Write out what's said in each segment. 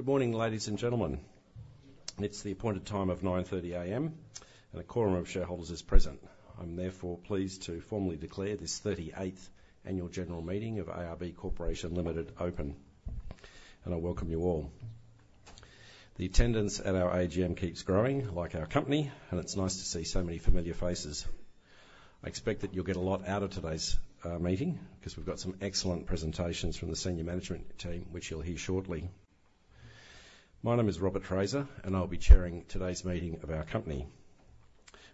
Good morning, ladies and gentlemen. It's the appointed time of 9:30 A.M., and a quorum of shareholders is present. I'm therefore pleased to formally declare this thirty-eighth annual general meeting of ARB Corporation Limited open, and I welcome you all. The attendance at our AGM keeps growing, like our company, and it's nice to see so many familiar faces. I expect that you'll get a lot out of today's meeting, 'cause we've got some excellent presentations from the senior management team, which you'll hear shortly. My name is Robert Fraser and I'll be chairing today's meeting of our company.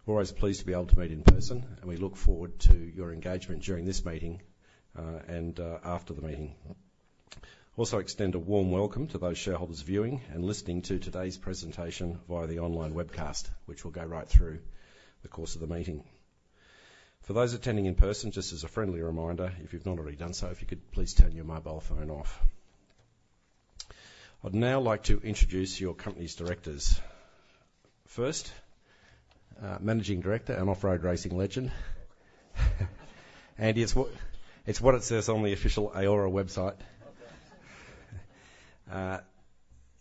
We're always pleased to be able to meet in person, and we look forward to your engagement during this meeting, and after the meeting. Also extend a warm welcome to those shareholders viewing and listening to today's presentation via the online webcast, which will go right through the course of the meeting. For those attending in person, just as a friendly reminder, if you've not already done so, if you could please turn your mobile phone off. I'd now like to introduce your company's directors. First, Managing Director and off-road racing legend, Andy, it's what it says on the official AORRA website.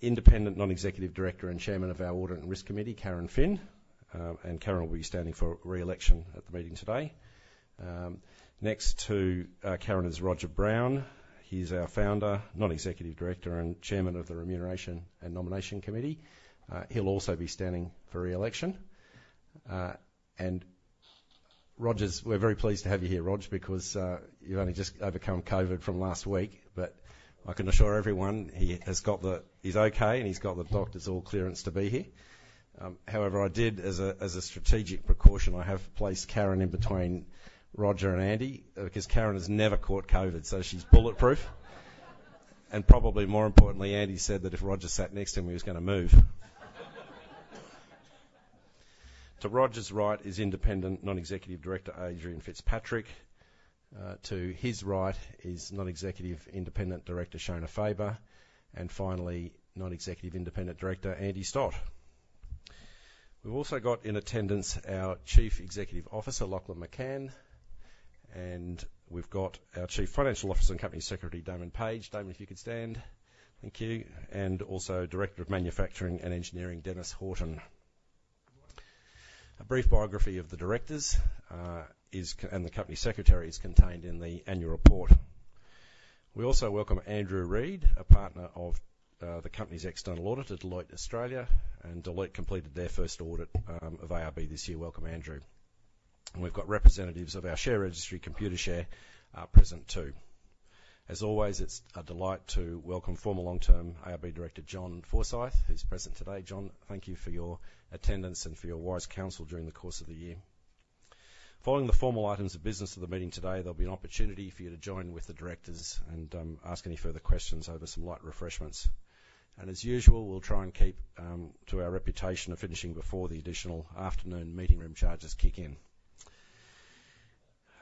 Independent Non-Executive Director and Chairman of our Audit and Risk Committee, Karen Phin. And Karen will be standing for re-election at the meeting today. Next to Karen is Roger Brown. He's our founder, Non-Executive Director, and Chairman of the Remuneration and Nomination Committee. He'll also be standing for re-election. And Roger, we're very pleased to have you here, Rog, because you've only just overcome COVID from last week, but I can assure everyone he has got the... He's okay, and he's got the doctor's full clearance to be here. However, as a strategic precaution, I have placed Karen in between Roger and Andy, because Karen has never caught COVID, so she's bulletproof. Probably more importantly, Andy said that if Roger sat next to him, he was gonna move. To Roger's right is Independent Non-Executive Director, Adrian Fitzpatrick. To his right is Non-Executive Independent Director, Shona Faber, and finally, Non-Executive Independent Director, Andy Stott. We've also got in attendance our Chief Executive Officer, Lachlan McCann, and we've got our Chief Financial Officer and Company Secretary, Damon Page. Damon, if you could stand. Thank you. And also, Director of Manufacturing and Engineering, Dennis Horton. A brief biography of the directors and the company secretary is contained in the annual report. We also welcome Andrew Reid, a partner of the company's external auditor, Deloitte Australia, and Deloitte completed their first audit of ARB this year. Welcome, Andrew. And we've got representatives of our share registry, Computershare, present, too. As always, it's a delight to welcome former long-term ARB Director, John Forsyth, who's present today. John, thank you for your attendance and for your wise counsel during the course of the year. Following the formal items of business of the meeting today, there'll be an opportunity for you to join with the directors and, ask any further questions over some light refreshments, and as usual, we'll try and keep to our reputation of finishing before the additional afternoon meeting room charges kick in.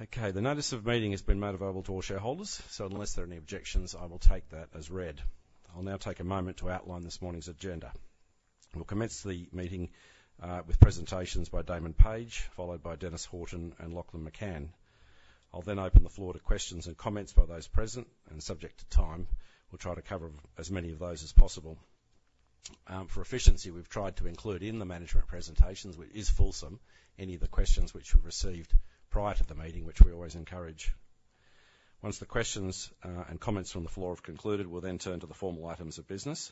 Okay, the notice of meeting has been made available to all shareholders, so unless there are any objections, I will take that as read. I'll now take a moment to outline this morning's agenda. We'll commence the meeting, with presentations by Damon Page, followed by Dennis Horton and Lachlan McCann. I'll then open the floor to questions and comments by those present, and subject to time, we'll try to cover as many of those as possible. For efficiency, we've tried to include in the management presentations, which is fulsome, any of the questions which we've received prior to the meeting, which we always encourage. Once the questions and comments from the floor have concluded, we'll then turn to the formal items of business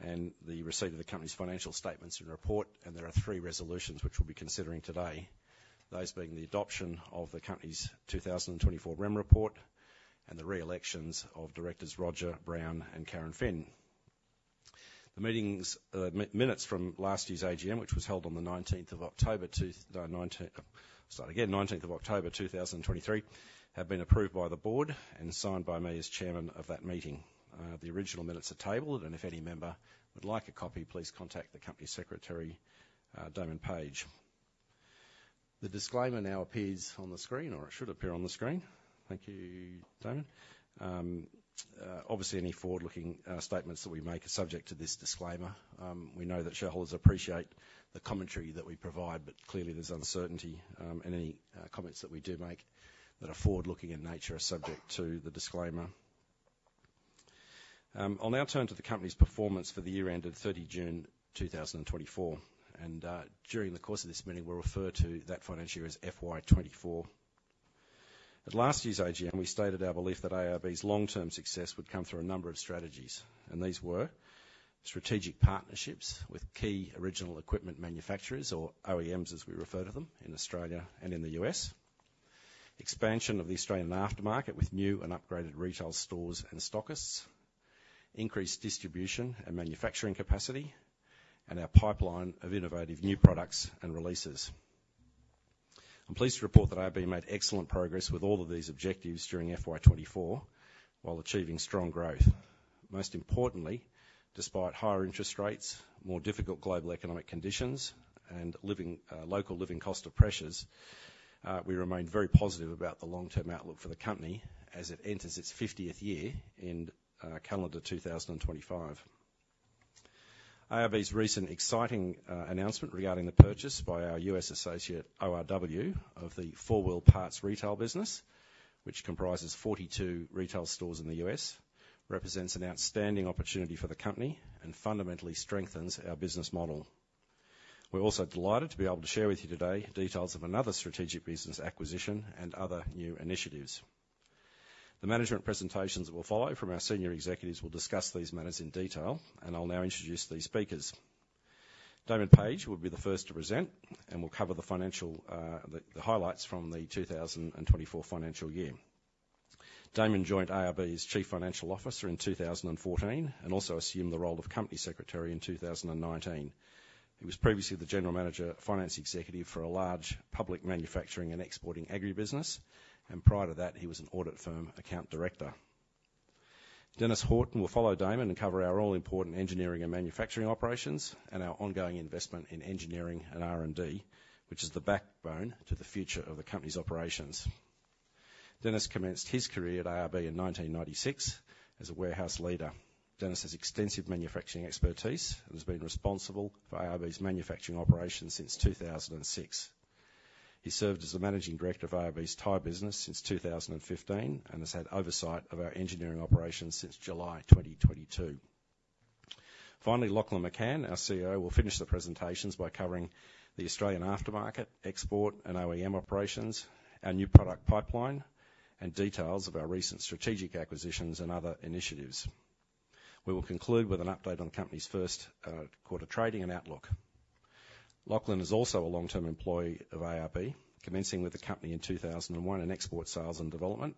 and the receipt of the company's financial statements and report. There are three resolutions which we'll be considering today. Those being the adoption of the company's two thousand and twenty-four Remuneration Report, and the reelections of Directors Roger Brown and Karen Phin. The minutes from last year's AGM, which was held on the nineteenth of October 2023, have been approved by the Board and signed by me as chairman of that meeting. The original minutes are tabled, and if any member would like a copy, please contact the company secretary, Damon Page. The disclaimer now appears on the screen, or it should appear on the screen. Thank you, Damon. Obviously, any forward-looking statements that we make are subject to this disclaimer. We know that shareholders appreciate the commentary that we provide, but clearly, there's uncertainty, and any comments that we do make that are forward-looking in nature are subject to the disclaimer. I'll now turn to the company's performance for the year ended June 2024, and during the course of this meeting, we'll refer to that financial year as FY 2024. At last year's AGM, we stated our belief that ARB's long-term success would come through a number of strategies, and these were, strategic partnerships with key original equipment manufacturers, or OEMs, as we refer to them in Australia and in the US. Expansion of the Australian aftermarket with new and upgraded retail stores and stockists, Increased distribution and manufacturing capacity. And our pipeline of innovative new products and releases. I'm pleased to report that ARB made excellent progress with all of these objectives during FY 2024, while achieving strong growth. Most importantly, despite higher interest rates, more difficult global economic conditions, and local cost of living pressures, we remain very positive about the long-term outlook for the company as it enters its 50th year in calendar 2025. ARB's recent exciting announcement regarding the purchase by our U.S. associate, ORW, of the 4 Wheel Parts retail business, which comprises 42 retail stores in the U.S., represents an outstanding opportunity for the company and fundamentally strengthens our business model. We're also delighted to be able to share with you today details of another strategic business acquisition and other new initiatives. The management presentations that will follow from our senior executives will discuss these matters in detail, and I'll now introduce these speakers. Damon Page will be the first to present, and will cover the financial highlights from the 2024 financial year. Damon joined ARB's Chief Financial Officer in 2014, and also assumed the role of Company Secretary in 2019. He was previously the General Manager Finance Executive for a large public manufacturing and exporting agribusiness, and prior to that, he was an audit firm Account Director. Dennis Horton will follow Damon and cover our all-important engineering and manufacturing operations and our ongoing investment in engineering and R&D, which is the backbone to the future of the company's operations. Dennis commenced his career at ARB in 1996 as a warehouse leader. Dennis has extensive manufacturing expertise and has been responsible for ARB's manufacturing operations since 2006. He served as the Managing Director of ARB's tire business since 2015 and has had oversight of our engineering operations since July 2022. Finally, Lachlan McCann, our CEO, will finish the presentations by covering the Australian aftermarket, export, and OEM operations, our new product pipeline, and details of our recent strategic acquisitions and other initiatives. We will conclude with an update on the company's first quarter trading and outlook. Lachlan is also a long-term employee of ARB, commencing with the company in 2001 in export sales and development.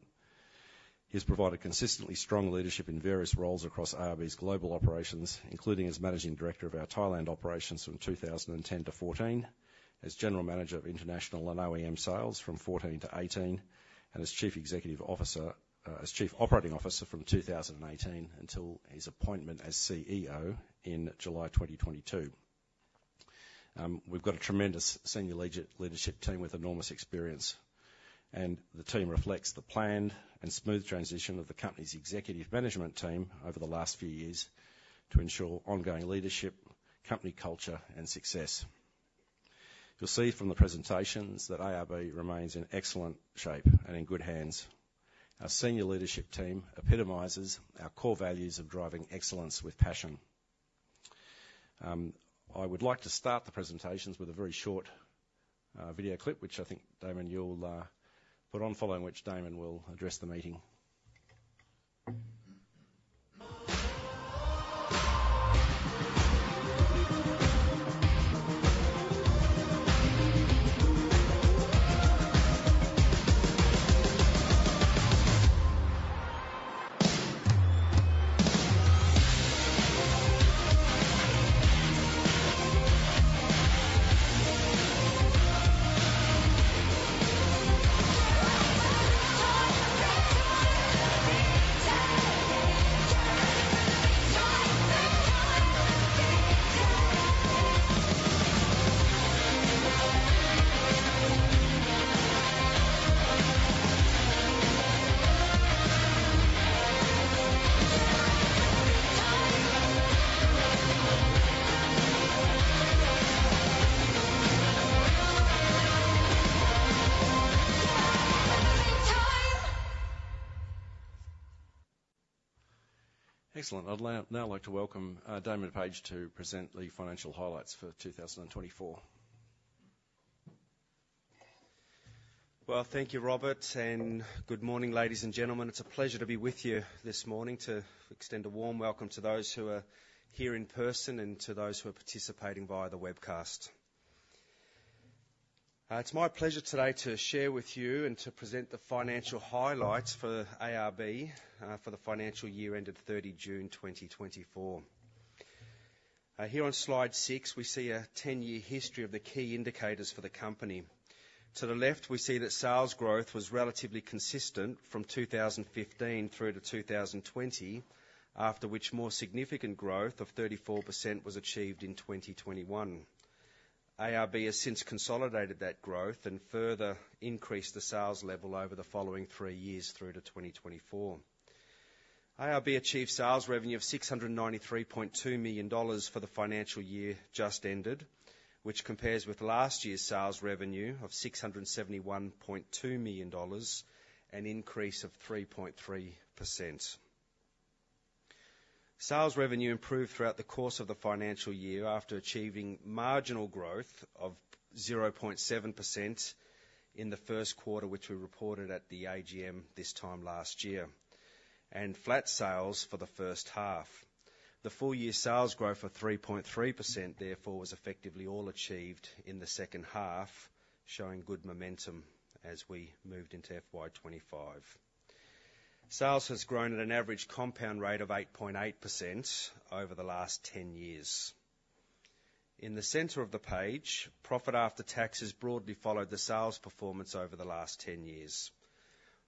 He's provided consistently strong leadership in various roles across ARB's global operations, including as Managing Director of our Thailand operations from 2010 to 2014, as General Manager of International and OEM Sales from 2014 to 2018, and as Chief Operating Officer from 2018 until his appointment as CEO in July 2022. We've got a tremendous senior leadership team with enormous experience, and the team reflects the planned and smooth transition of the company's executive management team over the last few years to ensure ongoing leadership, company culture, and success. You'll see from the presentations that ARB remains in excellent shape and in good hands. Our senior leadership team epitomizes our core values of driving excellence with passion. I would like to start the presentations with a very short video clip, which I think, Damon, you'll put on, following which Damon will address the meeting. Excellent. I'd now like to welcome Damon Page to present the financial highlights for 2024. Thank you, Robert, and good morning, ladies and gentlemen. It's a pleasure to be with you this morning to extend a warm welcome to those who are here in person and to those who are participating via the webcast. It's my pleasure today to share with you and to present the financial highlights for ARB, for the financial year ended June 30th 2024. Here on slide 6, we see a 10-year history of the key indicators for the company. To the left, we see that sales growth was relatively consistent from 2015 through to 2020, after which more significant growth of 34% was achieved in 2021. ARB has since consolidated that growth and further increased the sales level over the following three years through to 2024. ARB achieved sales revenue of $693.2 million for the financial year just ended, which compares with last year's sales revenue of $671.2 million, an increase of 3.3%. Sales revenue improved throughout the course of the financial year, after achieving marginal growth of 0.7% in the first quarter, which we reported at the AGM this time last year, and flat sales for the first half. The full year sales growth of 3.3%, therefore, was effectively all achieved in the second half, showing good momentum as we moved into FY 2025. Sales has grown at an average compound rate of 8.8% over the last 10 years. In the center of the page, profit after tax has broadly followed the sales performance over the last 10 years.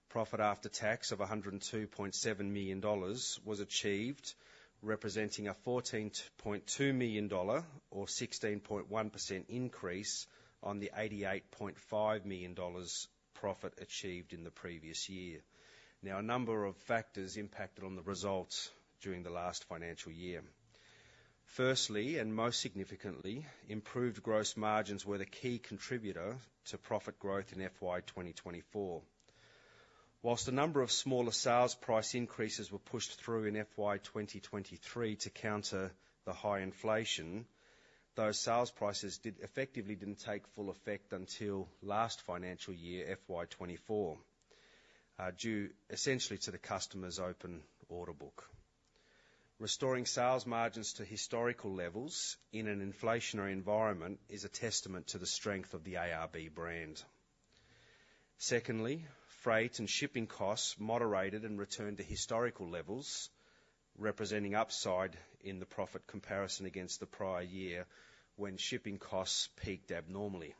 Profit after tax of $102.7 million was achieved, representing an $14.2 million or 16.1% increase on the $88.5 million profit achieved in the previous year. Now, a number of factors impacted on the results during the last financial year. Firstly, and most significantly, improved gross margins were the key contributor to profit growth in FY 2024. Whilst a number of smaller sales price increases were pushed through in FY 2023 to counter the high inflation, those sales prices did effectively didn't take full effect until last financial year FY 2024, due essentially to the customer's open order book. Restoring sales margins to historical levels in an inflationary environment is a testament to the strength of the ARB brand. Secondly, freight and shipping costs moderated and returned to historical levels, representing upside in the profit comparison against the prior year, when shipping costs peaked abnormally.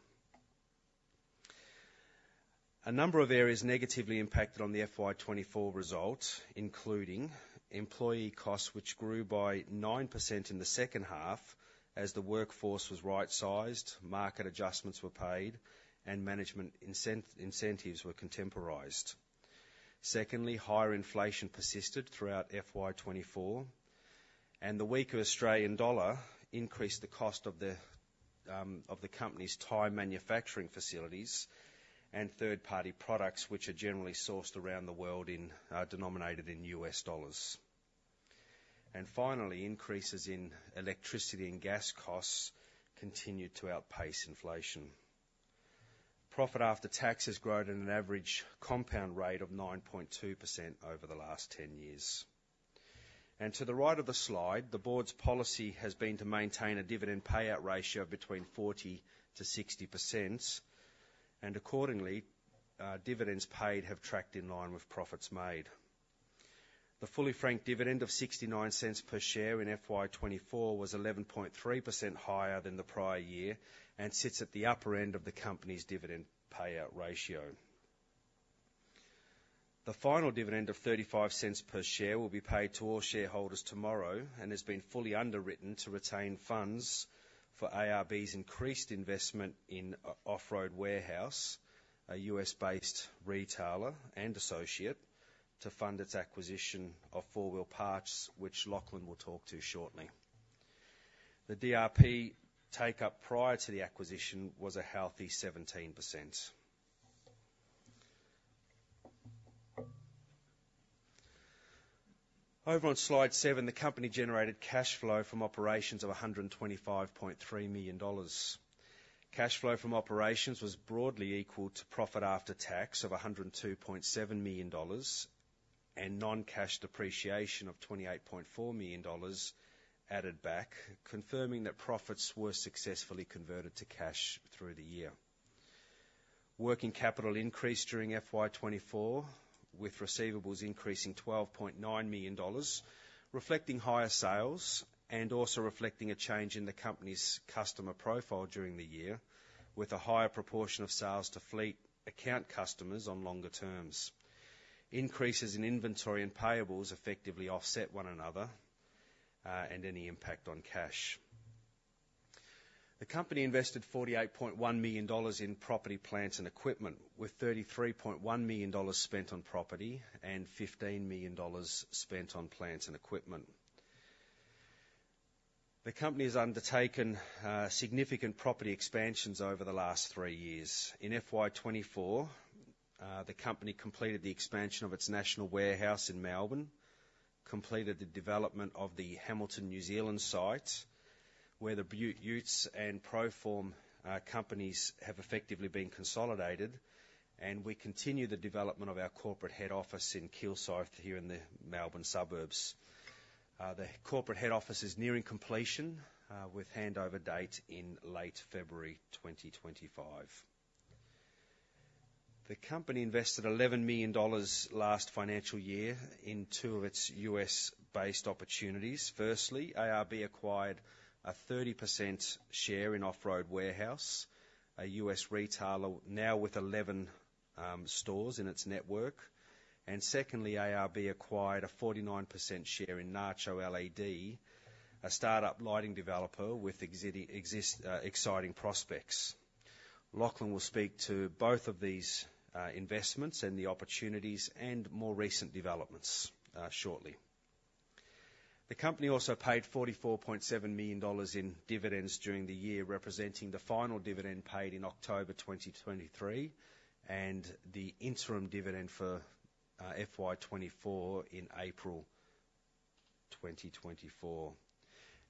A number of areas negatively impacted on the FY 2024 results, including employee costs, which grew by 9% in the second half as the workforce was right-sized, market adjustments were paid, and management incentives were contemporized. Secondly, higher inflation persisted throughout FY 2024, and the weaker Australian dollar increased the cost of the company's Thai manufacturing facilities and third-party products, which are generally sourced around the world in denominated in US dollars. And finally, increases in electricity and gas costs continued to outpace inflation. Profit after tax has grown at an average compound rate of 9.2% over the last 10 years. To the right of the slide, the board's policy has been to maintain a dividend payout ratio of between 40% and 60%, and accordingly, dividends paid have tracked in line with profits made. The fully franked dividend of $0.69 per share in FY 2024 was 11.3% higher than the prior year and sits at the upper end of the company's dividend payout ratio. The final dividend of $0.35 per share will be paid to all shareholders tomorrow and has been fully underwritten to retain funds for ARB's increased investment in Off Road Warehouse, a U.S.-based retailer and associate, to fund its acquisition of 4 Wheel Parts, which Lachlan will talk to shortly. The DRP take-up prior to the acquisition was a healthy 17%. Over on slide seven, the company generated cash flow from operations of $125.3 million. Cash flow from operations was broadly equal to profit after tax of $102.7 million, and non-cash depreciation of $28.4 million added back, confirming that profits were successfully converted to cash through the year. Working capital increased during FY 2024, with receivables increasing $12.9 million, reflecting higher sales and also reflecting a change in the company's customer profile during the year, with a higher proportion of sales to fleet account customers on longer terms. Increases in inventory and payables effectively offset one another, and any impact on cash. The company invested $48.1 million in property, plants, and equipment, with $33.1 million spent on property and $15 million spent on plants and equipment. The company has undertaken significant property expansions over the last three years. In FY 2024, the company completed the expansion of its national warehouse in Melbourne, completed the development of the Hamilton, New Zealand site, where the Beaut Utes and Proform companies have effectively been consolidated, and we continue the development of our corporate head office in Kilsyth, here in the Melbourne suburbs. The corporate head office is nearing completion, with handover date in late February 2025. The company invested $11 million last financial year in two of its U.S.-based opportunities. Firstly, ARB acquired a 30% share in Off Road Warehouse, a U.S. retailer now with 11 stores in its network. Secondly, ARB acquired a 49% share in Nacho LED, a start-up lighting developer with exciting prospects. Lachlan will speak to both of these investments and the opportunities and more recent developments shortly. The company also paid $44.7 million in dividends during the year, representing the final dividend paid in October 2023, and the interim dividend for FY 2024 in April 2024.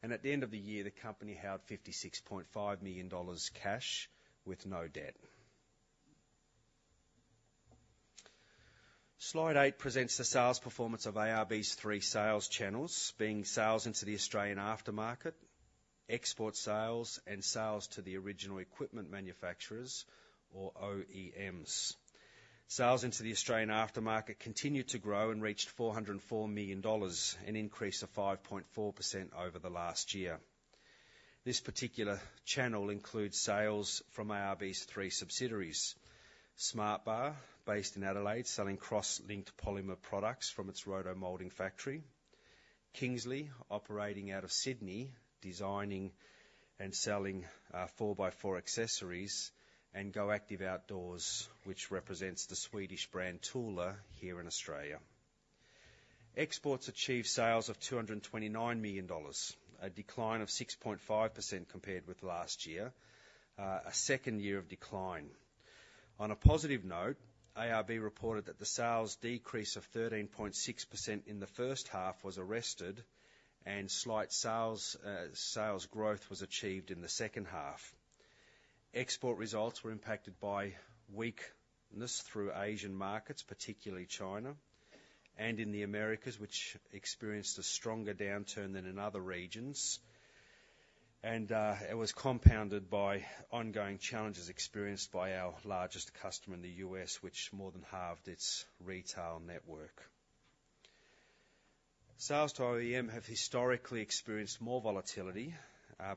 At the end of the year, the company held $56.5 million cash with no debt. Slide 8 presents the sales performance of ARB's three sales channels, being sales into the Australian aftermarket, export sales, and sales to the original equipment manufacturers or OEMs. Sales into the Australian aftermarket continued to grow and reached $404 million, an increase of 5.4% over the last year. This particular channel includes sales from ARB's three subsidiaries. SmartBar, based in Adelaide, selling cross-linked polymer products from its roto-molding factory, Kingsley, operating out of Sydney, designing and selling four-by-four accessories, and GoActive Outdoors, which represents the Swedish brand Thule here in Australia. Exports achieved sales of $229 million, a decline of 6.5% compared with last year, a second year of decline. On a positive note, ARB reported that the sales decrease of 13.6% in the first half was arrested, and slight sales growth was achieved in the second half. Export results were impacted by weakness through Asian markets, particularly China and in the Americas, which experienced a stronger downturn than in other regions. It was compounded by ongoing challenges experienced by our largest customer in the US, which more than halved its retail network. Sales to OEM have historically experienced more volatility,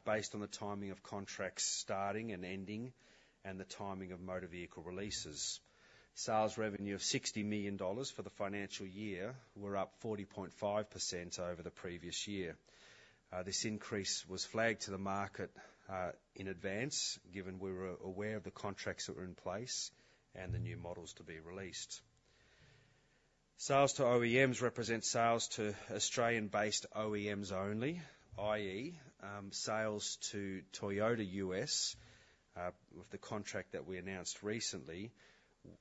based on the timing of contracts starting and ending and the timing of motor vehicle releases. Sales revenue of $60 million for the financial year were up 40.5% over the previous year. This increase was flagged to the market, in advance, given we were aware of the contracts that were in place and the new models to be released. Sales to OEMs represent sales to Australian-based OEMs only, i.e., sales to Toyota US, with the contract that we announced recently,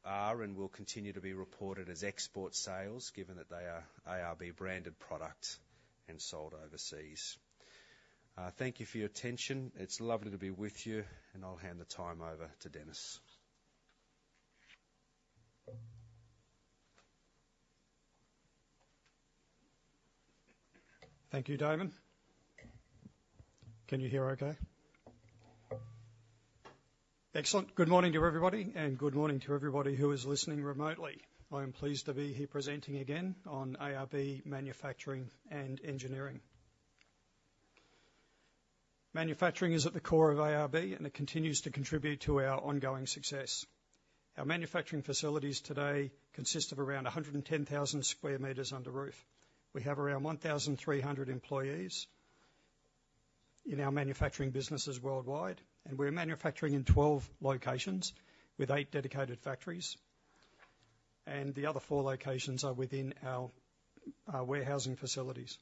are and will continue to be reported as export sales given that they are ARB-branded product and sold overseas. Thank you for your attention. It's lovely to be with you, and I'll hand the time over to Dennis. Thank you, Damon. Can you hear okay? Excellent. Good morning to everybody, and good morning to everybody who is listening remotely. I am pleased to be here presenting again on ARB Manufacturing and Engineering. Manufacturing is at the core of ARB, and it continues to contribute to our ongoing success. Our manufacturing facilities today consist of around 110,000 square meters under roof. We have around 1,300 employees in our manufacturing businesses worldwide, and we're manufacturing in 12 locations with 8 dedicated factories, and the other 4 locations are within our warehousing facilities.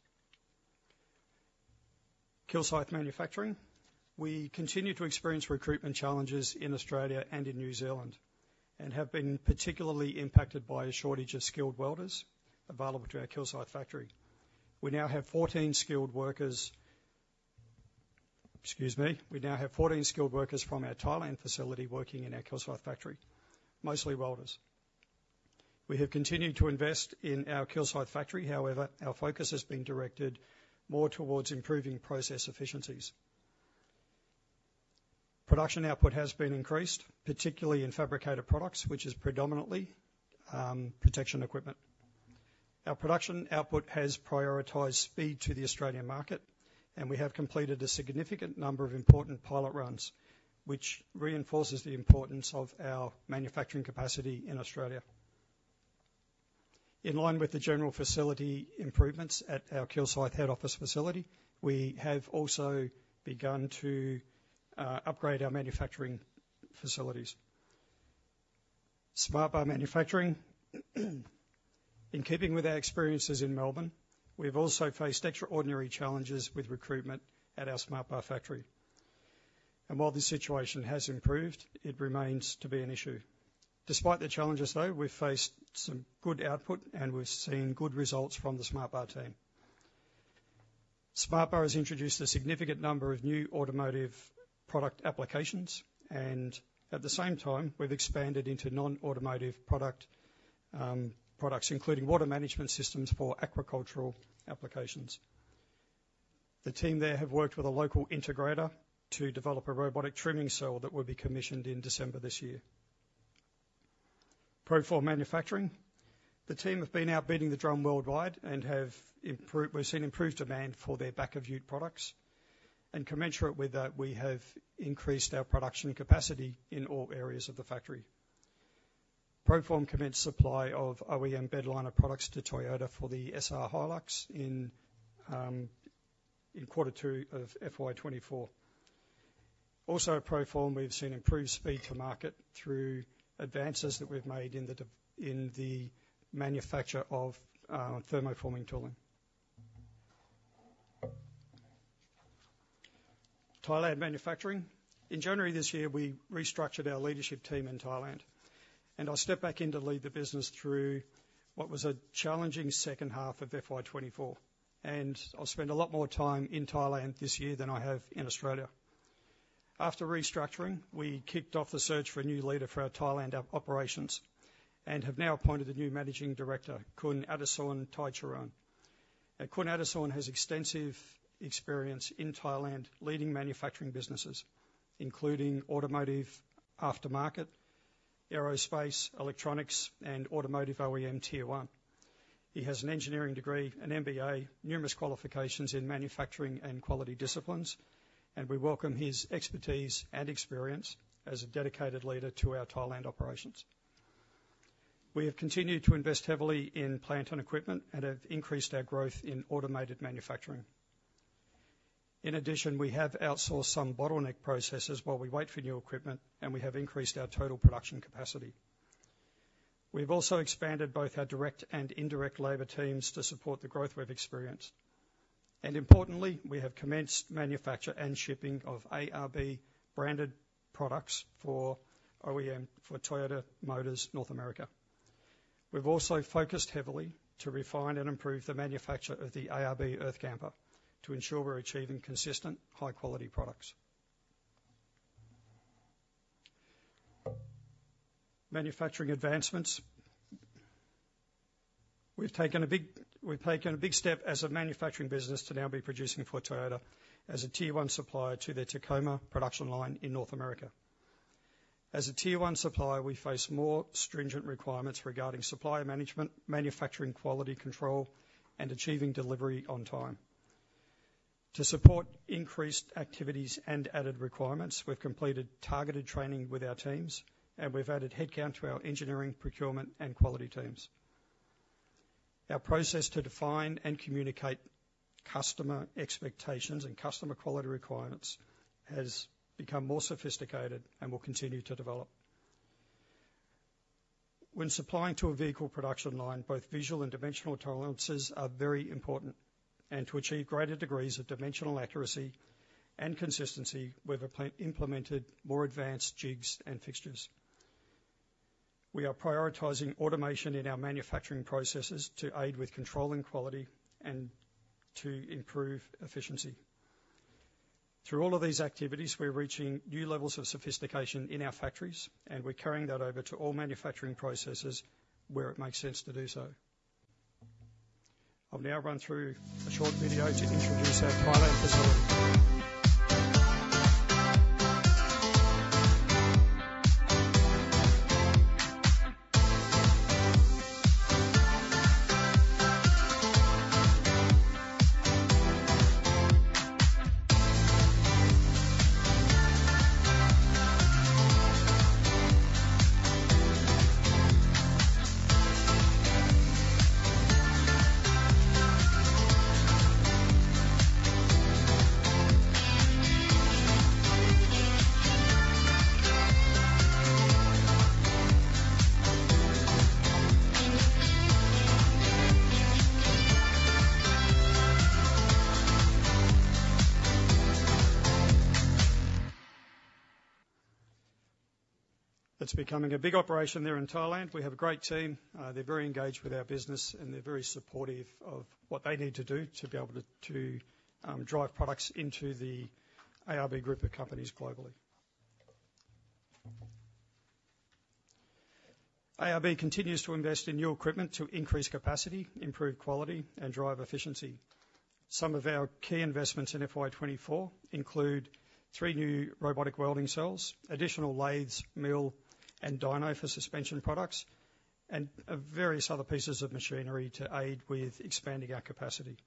Kilsyth Manufacturing. We continue to experience recruitment challenges in Australia and in New Zealand and have been particularly impacted by a shortage of skilled welders available to our Kilsyth factory. We now have 14 skilled workers. Excuse me. We now have 14 skilled workers from our Thailand facility working in our Kilsyth factory, mostly welders. We have continued to invest in our Kilsyth factory. However, our focus has been directed more towards improving process efficiencies. Production output has been increased, particularly in fabricated products, which is predominantly protection equipment. Our production output has prioritized speed to the Australian market, and we have completed a significant number of important pilot runs, which reinforces the importance of our manufacturing capacity in Australia. In line with the general facility improvements at our Kilsyth head office facility, we have also begun to upgrade our manufacturing facilities. SmartBar Manufacturing. In keeping with our experiences in Melbourne, we've also faced extraordinary challenges with recruitment at our SmartBar factory, and while the situation has improved, it remains to be an issue. Despite the challenges, though, we've faced some good output, and we've seen good results from the SmartBar team. SmartBar has introduced a significant number of new automotive product applications, and at the same time, we've expanded into non-automotive product, products, including water management systems for agricultural applications. The team there have worked with a local integrator to develop a robotic trimming cell that will be commissioned in December this year. Proform Manufacturing. The team have been out beating the drum worldwide. We've seen improved demand for their back of Utes products, and commensurate with that, we have increased our production capacity in all areas of the factory. Proform commenced supply of OEM bed liner products to Toyota for the SR Hilux in quarter two of FY 2024. Also at Proform, we've seen improved speed to market through advances that we've made in the manufacture of thermoforming tooling. Thailand Manufacturing. In January this year, we restructured our leadership team in Thailand, and I stepped back in to lead the business through what was a challenging second half of FY 2024 and I'll spend a lot more time in Thailand this year than I have in Australia. After restructuring, we kicked off the search for a new leader for our Thailand operations and have now appointed a New Managing Director, Khun Adisorn Thaicharoen. Now, Khun Adisorn has extensive experience in Thailand, leading manufacturing businesses, including automotive, aftermarket, aerospace, electronics and automotive OEM Tier One. He has an engineering degree, an MBA, numerous qualifications in manufacturing and quality disciplines, and we welcome his expertise and experience as a dedicated leader to our Thailand operations. We have continued to invest heavily in plant and equipment and have increased our growth in automated manufacturing. In addition, we have outsourced some bottleneck processes while we wait for new equipment, and we have increased our total production capacity. We've also expanded both our direct and indirect labor teams to support the growth we've experienced. And importantly, we have commenced manufacture and shipping of ARB branded products for OEM, for Toyota Motor North America. We've also focused heavily to refine and improve the manufacture of the ARB Earth Camper to ensure we're achieving consistent, high-quality products. Manufacturing advancements. We've taken a big step as a manufacturing business to now be producing for Toyota as a Tier 1 supplier to their Tacoma production line in North America. As a Tier 1 supplier, we face more stringent requirements regarding supply management, manufacturing, quality control, and achieving delivery on time. To support increased activities and added requirements, we've completed targeted training with our teams, and we've added headcount to our engineering, procurement, and quality teams. Our process to define and communicate customer expectations and customer quality requirements has become more sophisticated and will continue to develop. When supplying to a vehicle production line, both visual and dimensional tolerances are very important, and to achieve greater degrees of dimensional accuracy and consistency, we've implemented more advanced jigs and fixtures. We are prioritizing automation in our manufacturing processes to aid with controlling quality and to improve efficiency. Through all of these activities, we're reaching new levels of sophistication in our factories, and we're carrying that over to all manufacturing processes where it makes sense to do so. I'll now run through a short video to introduce our Thailand facility. It's becoming a big operation there in Thailand. We have a great team. They're very engaged with our business, and they're very supportive of what they need to do to be able to drive products into the ARB group of companies globally. ARB continues to invest in new equipment to increase capacity, improve quality, and drive efficiency. Some of our key investments in FY 2024 include three new robotic welding cells, additional lathes, mill, and dyno for suspension products, and various other pieces of machinery to aid with expanding our capacity.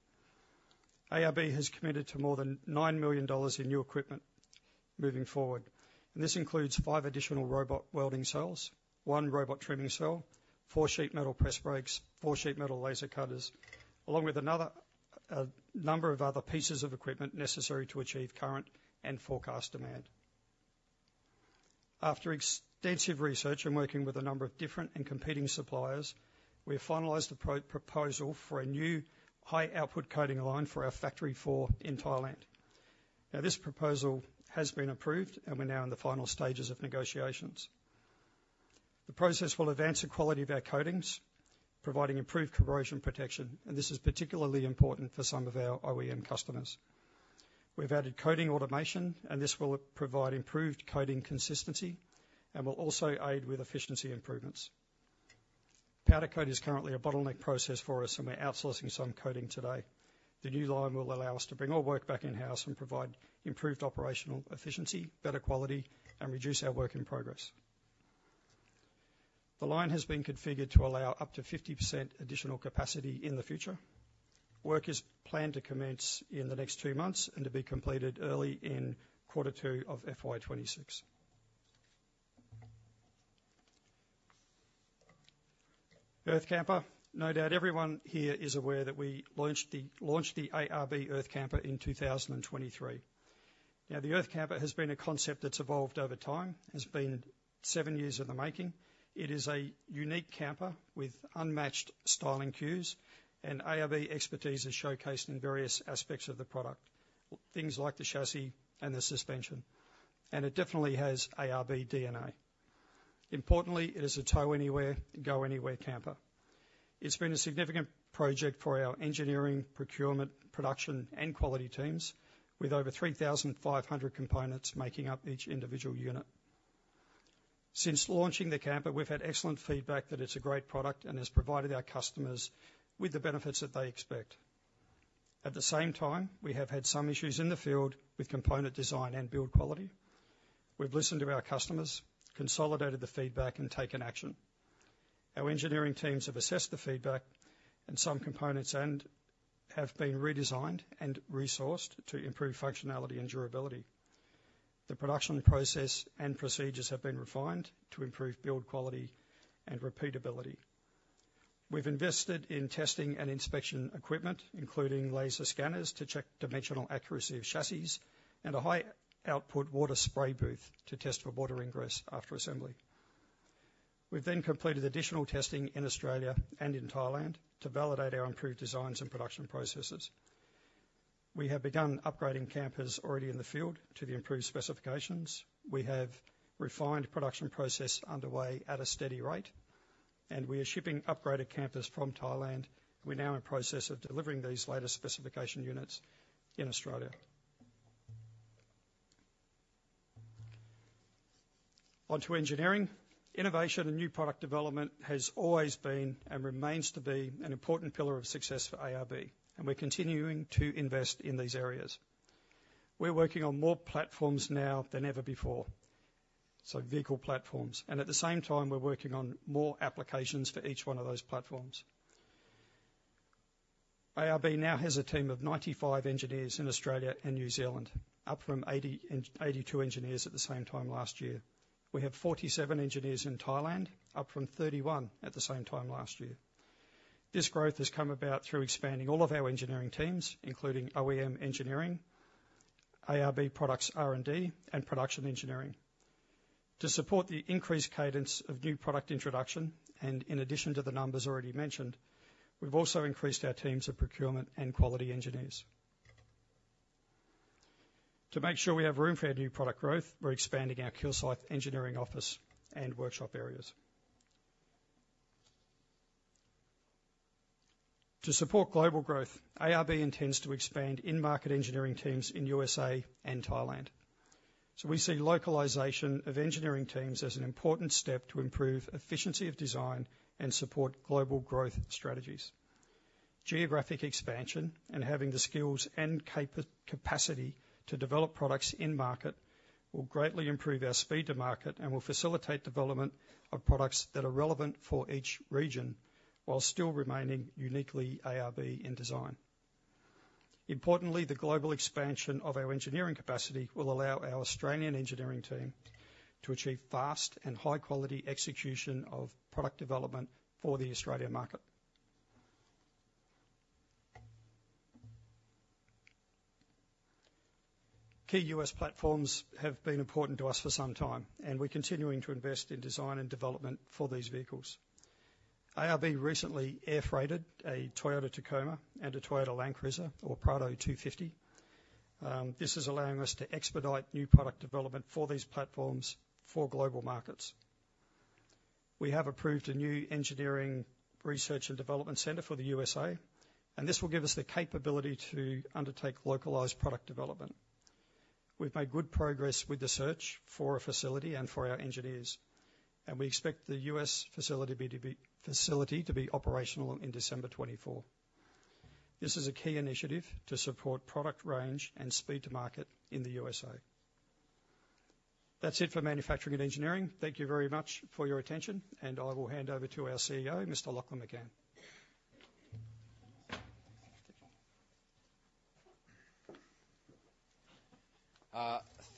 ARB has committed to more than $9 million in new equipment moving forward, and this includes five additional robot welding cells, one robot trimming cell, four sheet metal press brakes, four sheet metal laser cutters, along with another, a number of other pieces of equipment necessary to achieve current and forecast demand. After extensive research and working with a number of different and competing suppliers, we have finalized a proposal for a new high output coating line for our Factory Four in Thailand. Now, this proposal has been approved, and we're now in the final stages of negotiations. The process will advance the quality of our coatings, providing improved corrosion protection, and this is particularly important for some of our OEM customers. We've added coating automation, and this will provide improved coating consistency and will also aid with efficiency improvements. Powder coat is currently a bottleneck process for us, and we're outsourcing some coating today. The new line will allow us to bring all work back in-house and provide improved operational efficiency, better quality, and reduce our work in progress. The line has been configured to allow up to 50% additional capacity in the future. Work is planned to commence in the next two months and to be completed early in quarter two of FY 2026. Earth Camper. No doubt everyone here is aware that we launched the ARB Earth Camper in 2023. Now, the Earth Camper has been a concept that's evolved over time. It's been seven years in the making. It is a unique camper with unmatched styling cues, and ARB expertise is showcased in various aspects of the product, things like the chassis and the suspension, and it definitely has. Importantly, it is a tow-anywhere, go-anywhere camper. It's been a significant project for our engineering, procurement, production, and quality teams, with over 3,500 components making up each individual unit. Since launching the camper, we've had excellent feedback that it's a great product and has provided our customers with the benefits that they expect. At the same time, we have had some issues in the field with component design and build quality. We've listened to our customers, consolidated the feedback, and taken action. Our engineering teams have assessed the feedback and some components and have been redesigned and resourced to improve functionality and durability. The production process and procedures have been refined to improve build quality and repeatability. We've invested in testing and inspection equipment, including laser scanners, to check dimensional accuracy of chassis, and a high-output water spray booth to test for water ingress after assembly. We've then completed additional testing in Australia and in Thailand to validate our improved designs and production processes. We have begun upgrading campers already in the field to the improved specifications. We have refined production process underway at a steady rate, and we are shipping upgraded campers from Thailand. We're now in process of delivering these latest specification units in Australia. On to engineering. Innovation and new product development has always been, and remains to be, an important pillar of success for ARB, and we're continuing to invest in these areas. We're working on more platforms now than ever before, so vehicle platforms, and at the same time, we're working on more applications for each one of those platforms. ARB now has a team of 95 engineers in Australia and New Zealand, up from 82 engineers at the same time last year. We have 47 engineers in Thailand, up from 31 at the same time last year. This growth has come about through expanding all of our engineering teams, including OEM engineering, ARB products R&D, and production engineering. To support the increased cadence of new product introduction, and in addition to the numbers already mentioned, we've also increased our teams of procurement and quality engineers. To make sure we have room for our new product growth, we're expanding our Kilsyth engineering office and workshop areas. To support global growth, ARB intends to expand in-market engineering teams in USA and Thailand. We see localization of engineering teams as an important step to improve efficiency of design and support global growth strategies. Geographic expansion and having the skills and capacity to develop products in-market will greatly improve our speed to market and will facilitate development of products that are relevant for each region, while still remaining uniquely ARB in design. Importantly, the global expansion of our engineering capacity will allow our Australian engineering team to achieve fast and high-quality execution of product development for the Australian market. Key U.S. platforms have been important to us for some time, and we're continuing to invest in design and development for these vehicles. ARB recently air freighted a Toyota Tacoma and a Toyota Land Cruiser, or Prado 250. This is allowing us to expedite new product development for these platforms for global markets. We have approved a new engineering research and development center for the USA, and this will give us the capability to undertake localized product development. We've made good progress with the search for a facility and for our engineers, and we expect the US facility to be operational in December 2024. This is a key initiative to support product range and speed to market in the USA. That's it for manufacturing and engineering. Thank you very much for your attention, and I will hand over to our CEO, Mr. Lachlan McCann.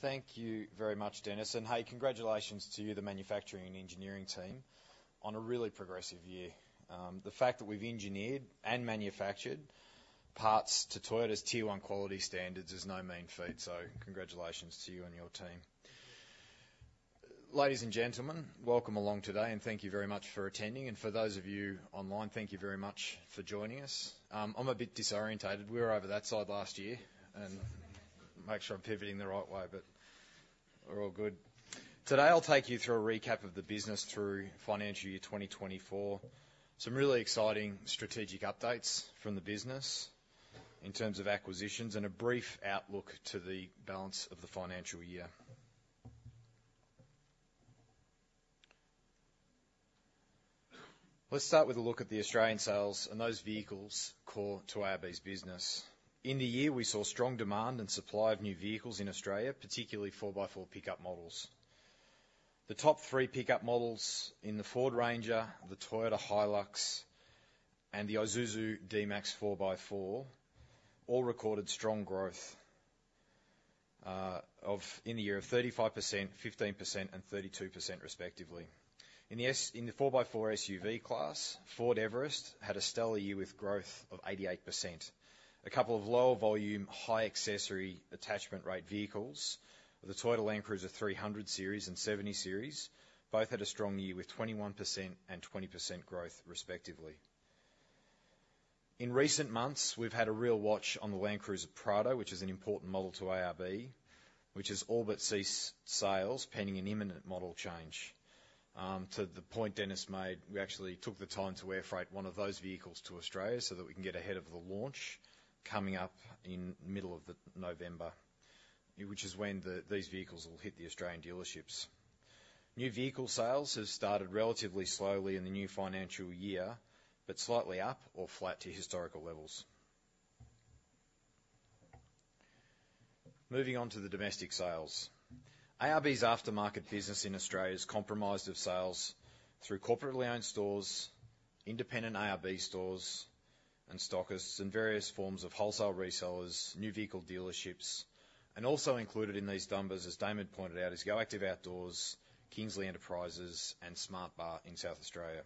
Thank you very much, Dennis, and, hey, congratulations to you, the manufacturing and engineering team, on a really progressive year. The fact that we've engineered and manufactured parts to Toyota's Tier 1 quality standards is no mean feat, so congratulations to you and your team. Ladies and gentlemen, welcome along today, and thank you very much for attending, and for those of you online, thank you very much for joining us. I'm a bit disoriented. We were over that side last year, and make sure I'm pivoting the right way, but we're all good. Today, I'll take you through a recap of the business through financial year 2024, some really exciting strategic updates from the business in terms of acquisitions, and a brief outlook to the balance of the financial year. Let's start with a look at the Australian sales and those vehicles core to ARB's business. In the year, we saw strong demand and supply of new vehicles in Australia, particularly four by four pickup models. The top three pickup models in the Ford Ranger, the Toyota Hilux, and the Isuzu D-MAX 4x4, all recorded strong growth in the year of 35%, 15%, and 32%, respectively. In the 4x4 SUV class, Ford Everest had a stellar year with growth of 88%. A couple of lower volume, high accessory attachment rate vehicles, the Toyota Land Cruiser 300 Series and 70 Series, both had a strong year, with 21% and 20% growth, respectively. In recent months, we've had a real watch on the Land Cruiser Prado, which is an important model to ARB, which has all but ceased sales, pending an imminent model change. To the point Dennis made, we actually took the time to air freight one of those vehicles to Australia so that we can get ahead of the launch coming up in middle of November, which is when these vehicles will hit the Australian dealerships. New vehicle sales have started relatively slowly in the new financial year, but slightly up or flat to historical levels. Moving on to the domestic sales. ARB's aftermarket business in Australia is comprised of sales through corporately owned stores, independent ARB stores and stockists and various forms of wholesale resellers, new vehicle dealerships, and also included in these numbers, as Damon pointed out, is GoActive Outdoors, Kingsley Enterprises, and SmartBar in South Australia.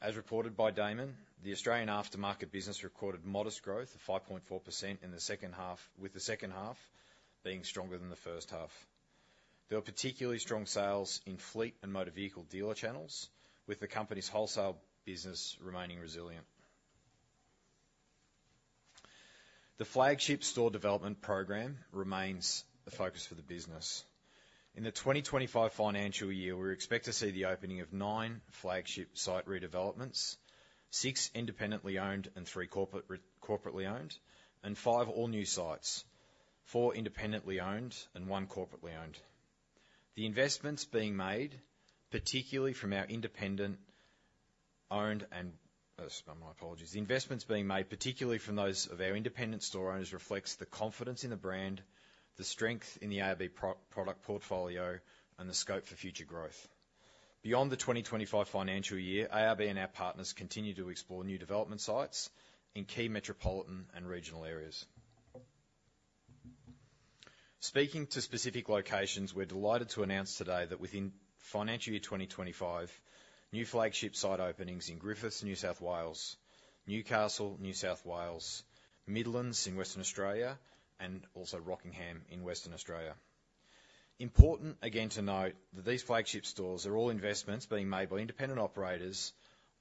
As reported by Damon, the Australian aftermarket business recorded modest growth of 5.4% in the second half, with the second half being stronger than the first half. There were particularly strong sales in fleet and motor vehicle dealer channels, with the company's wholesale business remaining resilient. The flagship store development program remains the focus for the business. In the 2025 financial year, we expect to see the opening of nine flagship site redevelopments, six independently owned and three corporately owned, and five all-new sites, four independently owned and one corporately owned. The investments being made, particularly from our independent owned and, my apologies. The investments being made, particularly from those of our independent store owners, reflects the confidence in the brand, the strength in the ARB product portfolio, and the scope for future growth. Beyond the 2025 financial year, ARB and our partners continue to explore new development sites in key metropolitan and regional areas. Speaking to specific locations, we're delighted to announce today that within financial year 2025, new flagship site openings in Griffith, New South Wales, Newcastle, New South Wales, Midland in Western Australia, and also Rockingham in Western Australia. Important again to note that these flagship stores are all investments being made by independent operators,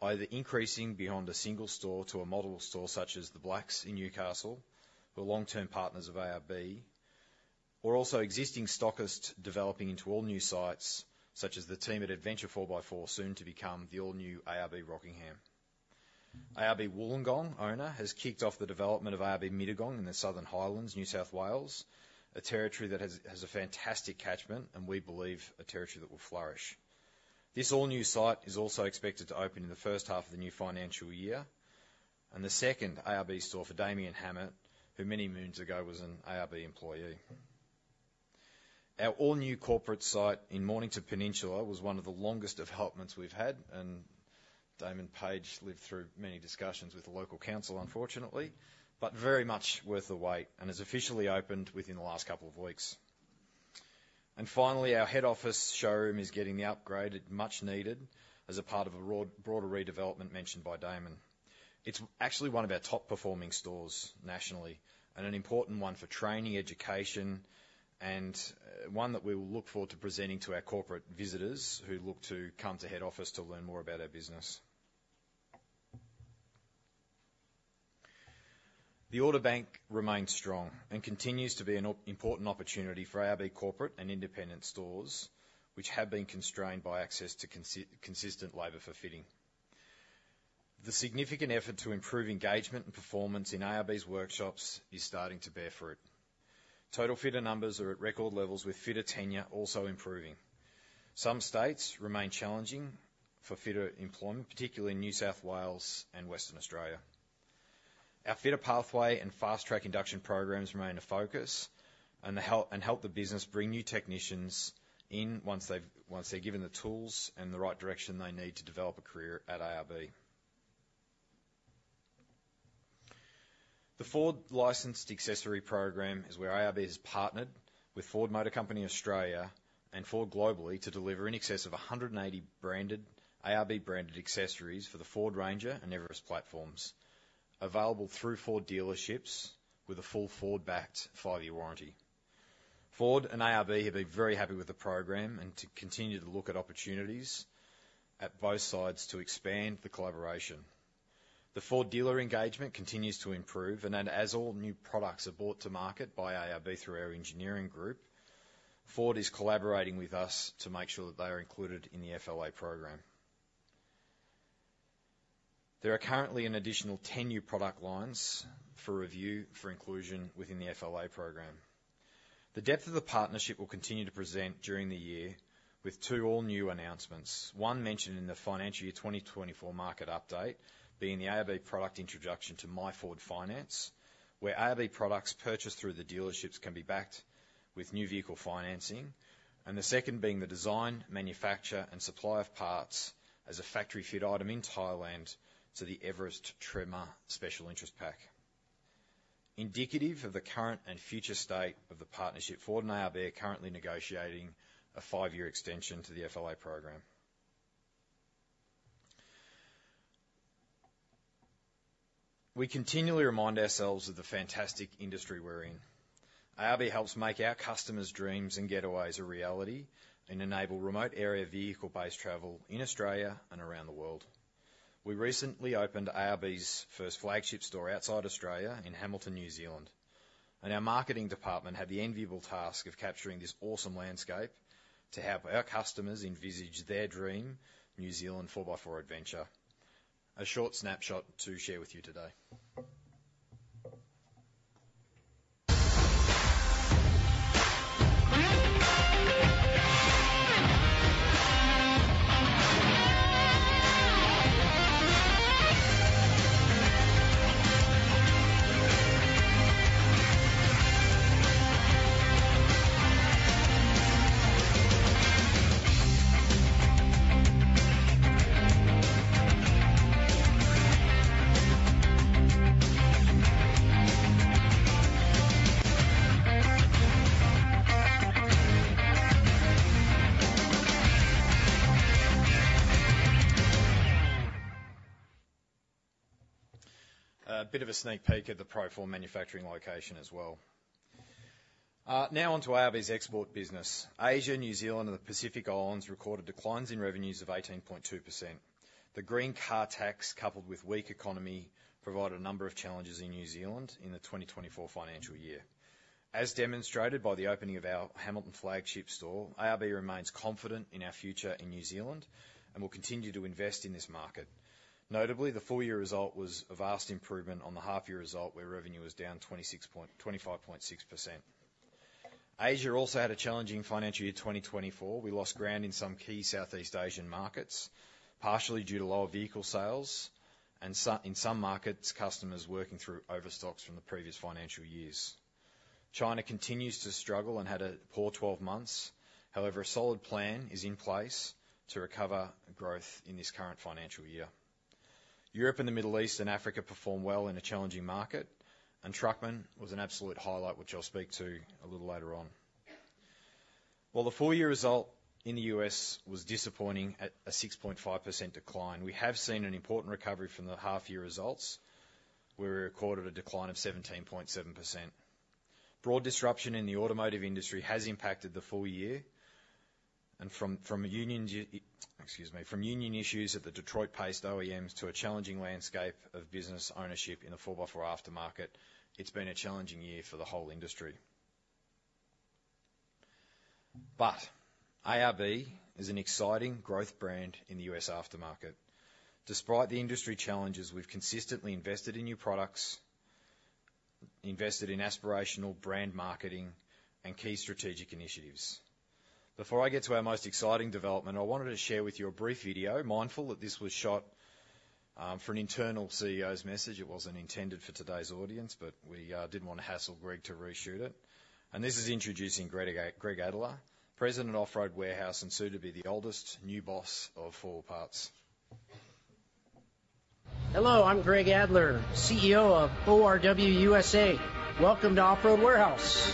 either increasing beyond a single store to a model store, such as The Blacks in Newcastle, who are long-term partners of ARB, or also existing stockists developing into all-new sites, such as the team at Adventure 4x4, soon to become the all-new ARB Rockingham. ARB Wollongong owner has kicked off the development of ARB Mittagong in the Southern Highlands, New South Wales, a territory that has a fantastic catchment and we believe, a territory that will flourish. This all-new site is also expected to open in the first half of the new financial year, and the second ARB store for Damien Hammett, who many moons ago was an ARB employee. Our all-new corporate site in Mornington Peninsula was one of the longest developments we've had, and Damon Page lived through many discussions with the local council, unfortunately, but very much worth the wait, and has officially opened within the last couple of weeks. Finally, our head office showroom is getting the upgrade it much needed as a part of a broader redevelopment mentioned by Damon. It's actually one of our top-performing stores nationally, and an important one for training, education, and, one that we will look forward to presenting to our corporate visitors who look to come to head office to learn more about our business. The order bank remains strong and continues to be an important opportunity for ARB corporate and independent stores, which have been constrained by access to consistent labor for fitting. The significant effort to improve engagement and performance in ARB's workshops is starting to bear fruit. Total fitter numbers are at record levels, with fitter tenure also improving. Some states remain challenging for fitter employment, particularly New South Wales and Western Australia. Our Fitter Pathway and Fast Track Induction programs remain a focus and help the business bring new technicians in once they're given the tools and the right direction they need to develop a career at ARB. The Ford Licensed Accessory program is where ARB has partnered with Ford Motor Company Australia and Ford globally to deliver in excess of 180 branded, ARB-branded accessories for the Ford Ranger and Everest platforms, available through Ford dealerships with a full Ford-backed five-year warranty. Ford and ARB have been very happy with the program and to continue to look at opportunities at both sides to expand the collaboration. The Ford dealer engagement continues to improve, and then as all new products are brought to market by ARB through our engineering group, Ford is collaborating with us to make sure that they are included in the FLA program. There are currently an additional 10 new product lines for review for inclusion within the FLA program. The depth of the partnership will continue to present during the year with two all-new announcements. One mentioned in the financial year 2024 market update, being the ARB product introduction to myFord Finance, where ARB products purchased through the dealerships can be backed with new vehicle financing, and the second being the design, manufacture, and supply of parts as a factory-fit item in Thailand to the Everest Tremor Special Interest Pack. Indicative of the current and future state of the partnership, Ford and ARB are currently negotiating a five-year extension to the FLA program. We continually remind ourselves of the fantastic industry we're in. ARB helps make our customers' dreams and getaways a reality and enable remote area vehicle-based travel in Australia and around the world. We recently opened ARB's first flagship store outside Australia in Hamilton, New Zealand, and our marketing department had the enviable task of capturing this awesome landscape to help our customers envisage their dream New Zealand 4x4 adventure. A short snapshot to share with you today. A bit of a sneak peek at the Proform manufacturing location as well. Now on to ARB's export business. Asia, New Zealand, and the Pacific Islands recorded declines in revenues of 18.2%. The Green Car Tax, coupled with weak economy, provided a number of challenges in New Zealand in the 2024 financial year. As demonstrated by the opening of our Hamilton flagship store, ARB remains confident in our future in New Zealand, and we'll continue to invest in this market. Notably, the full year result was a vast improvement on the half year result, where revenue was down 25.6%. Asia also had a challenging financial year, 2024. We lost ground in some key Southeast Asian markets, partially due to lower vehicle sales and in some markets, customers working through overstocks from the previous financial years. China continues to struggle and had a poor twelve months. However, a solid plan is in place to recover growth in this current financial year. Europe and the Middle East and Africa performed well in a challenging market, and Truckman was an absolute highlight, which I'll speak to a little later on. While the full year result in the U.S. was disappointing at a 6.5% decline, we have seen an important recovery from the half year results, where we recorded a decline of 17.7%. Broad disruption in the automotive industry has impacted the full year. Excuse me. From union issues at the Detroit-based OEMs to a challenging landscape of business ownership in the 4x4 aftermarket, it's been a challenging year for the whole industry. But ARB is an exciting growth brand in the U.S. aftermarket. Despite the industry challenges, we've consistently invested in new products, invested in aspirational brand marketing, and key strategic initiatives. Before I get to our most exciting development, I wanted to share with you a brief video, mindful that this was shot for an internal CEO's message. It wasn't intended for today's audience, but we didn't want to hassle Greg to reshoot it. And this is introducing Greg Adler, President of Off Road Warehouse, and soon to be the oldest new boss of 4 Wheel Parts. Hello, I'm Greg Adler, CEO of ORW USA. Welcome to Off Road Warehouse.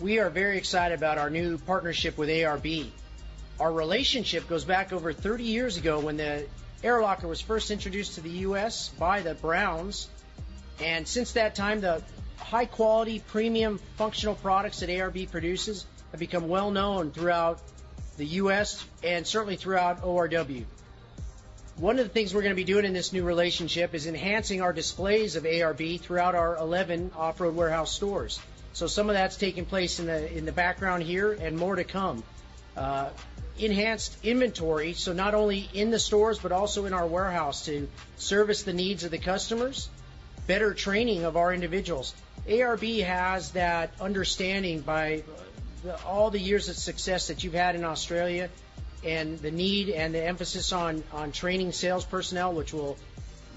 We are very excited about our new partnership with ARB. Our relationship goes back over 30 years ago, when the Air Locker was first introduced to the U.S. by the Browns, and since that time, the high-quality, premium, functional products that ARB produces have become well-known throughout the U.S. and certainly throughout ORW. One of the things we're gonna be doing in this new relationship is enhancing our displays of ARB throughout our 11 Off Road Warehouse stores. So some of that's taking place in the background here, and more to come. Enhanced inventory, so not only in the stores, but also in our warehouse, to service the needs of the customers. Better training of our individuals. ARB has that understanding by all the years of success that you've had in Australia, and the need and the emphasis on training sales personnel, which will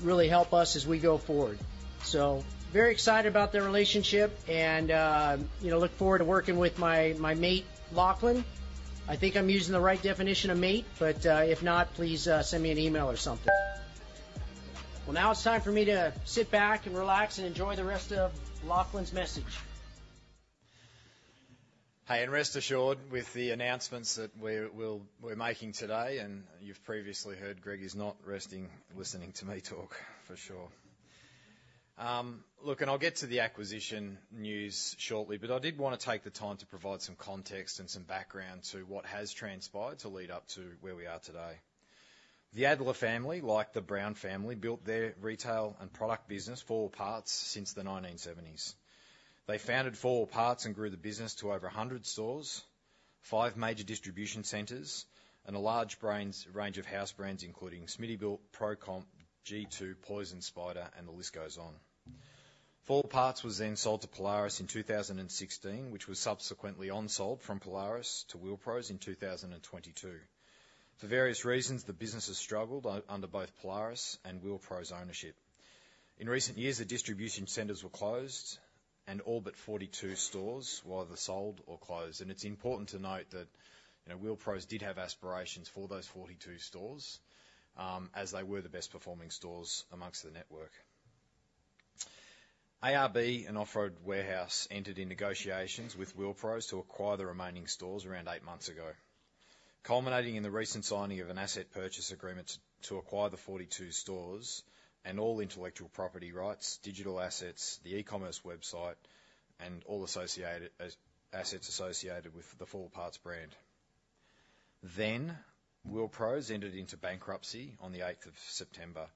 really help us as we go forward. So very excited about the relationship and, you know, look forward to working with my mate, Lachlan. I think I'm using the right definition of mate, but if not, please send me an email or something. Now it's time for me to sit back and relax and enjoy the rest of Lachlan's message. Hey, and rest assured, with the announcements that we're making today, and you've previously heard, Greg is not resting, listening to me talk, for sure. Look, and I'll get to the acquisition news shortly, but I did want to take the time to provide some context and some background to what has transpired to lead up to where we are today. The Adler family, like the Brown family, built their retail and product business, 4 Wheel Parts, since the 1970s. They founded 4 Wheel Parts and grew the business to over 100 stores, five major distribution centers, and a large range of house brands, including Smittybilt, Pro Comp, G2, Poison Spyder, and the list goes on. 4 Wheel Parts was then sold to Polaris in two thousand and sixteen, which was subsequently onsold from Polaris to Wheel Pros in 2022. For various reasons, the business has struggled under both Polaris and Wheel Pros' ownership. In recent years, the distribution centers were closed, and all but 42 stores were either sold or closed. It's important to note that, you know, Wheel Pros did have aspirations for those 42 stores, as they were the best performing stores amongst the network. ARB and Off Road Warehouse entered in negotiations with Wheel Pros to acquire the remaining stores around eight months ago, culminating in the recent signing of an asset purchase agreement to acquire the 42 stores and all intellectual property rights, digital assets, the e-commerce website, and all associated assets associated with the 4 Wheel Parts brand. Wheel Pros entered into bankruptcy on the eighth of September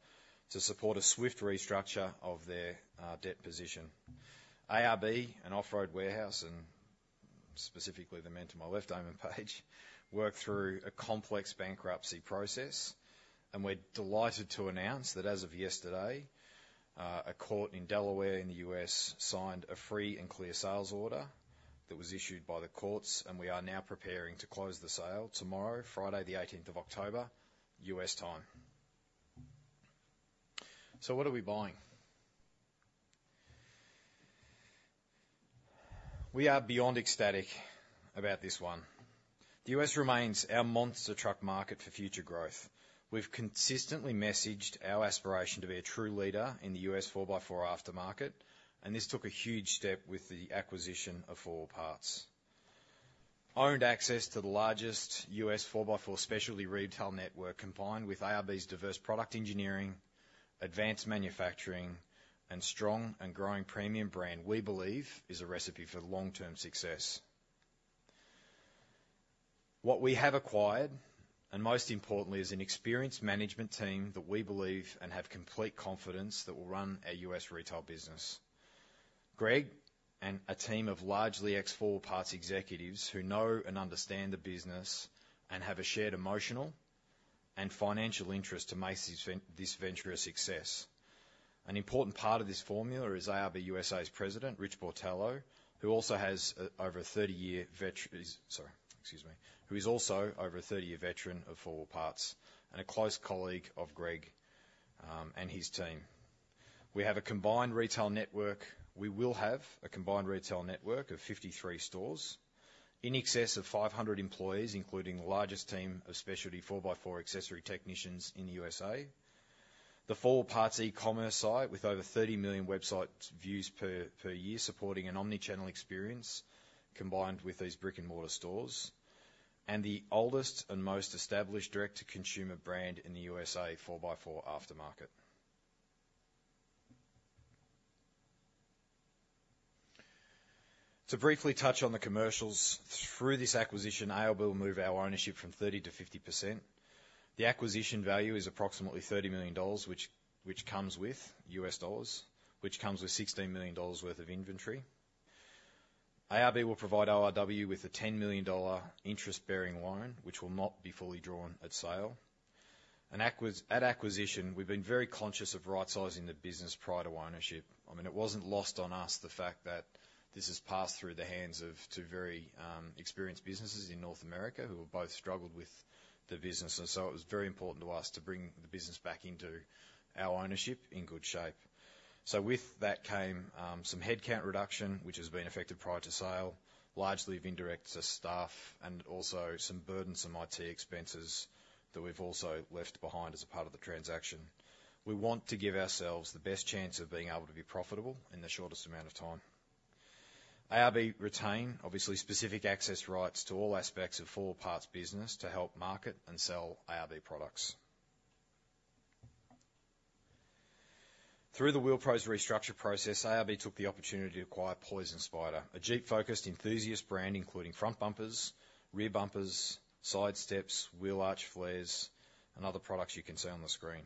to support a swift restructure of their debt position. ARB and Off Road Warehouse, and specifically the men to my left, Damon Page, worked through a complex bankruptcy process, and we're delighted to announce that as of yesterday, a court in Delaware in the U.S. signed a free and clear sales order that was issued by the courts, and we are now preparing to close the sale tomorrow, Friday, the eighteenth of October, U.S. time. So what are we buying? We are beyond ecstatic about this one. The U.S. remains our monster truck market for future growth. We've consistently messaged our aspiration to be a true leader in the US 4x4 aftermarket, and this took a huge step with the acquisition of 4 Wheel Parts. Owned access to the largest US 4x4 specialty retail network, combined with ARB's diverse product engineering, advanced manufacturing, and strong and growing premium brand, we believe is a recipe for long-term success. What we have acquired, and most importantly, is an experienced management team that we believe and have complete confidence that will run our U.S. retail business. Greg and a team of largely ex-4 Wheel Parts executives who know and understand the business and have a shared emotional and financial interest to make this venture a success. An important part of this formula is ARB USA's president, Rich Botello, who is also over a 30-year veteran of 4 Wheel Parts and a close colleague of Greg and his team. We will have a combined retail network of 53 stores, in excess of 500 employees, including the largest team of specialty 4x4 accessory technicians in the USA. 4 Wheel Parts e-commerce site, with over 30 million website views per year, supporting an omni-channel experience combined with these Brick and Mortar stores, and the oldest and most established direct-to-consumer brand in the USA 4x4 aftermarket. To briefly touch on the commercials, through this acquisition, ARB will move our ownership from 30%-50%. The acquisition value is approximately $30 million, which comes with $16 million worth of inventory. ARB will provide ORW with a $10 million interest-bearing loan, which will not be fully drawn at sale. At acquisition, we've been very conscious of right-sizing the business prior to ownership. I mean, it wasn't lost on us, the fact that this has passed through the hands of two very, experienced businesses in North America, who have both struggled with the business, and so it was very important to us to bring the business back into our ownership in good shape. So with that came, some headcount reduction, which has been affected prior to sale, largely of indirect to staff and also some burdensome IT expenses that we've also left behind as a part of the transaction. We want to give ourselves the best chance of being able to be profitable in the shortest amount of time. ARB retain, obviously, specific access rights to all aspects of 4 Wheel Parts business to help market and sell ARB products. Through the Wheel Pros restructure process, ARB took the opportunity to acquire Poison Spyder, a Jeep-focused enthusiast brand, including front bumpers, rear bumpers, side steps, wheel arch flares, and other products you can see on the screen.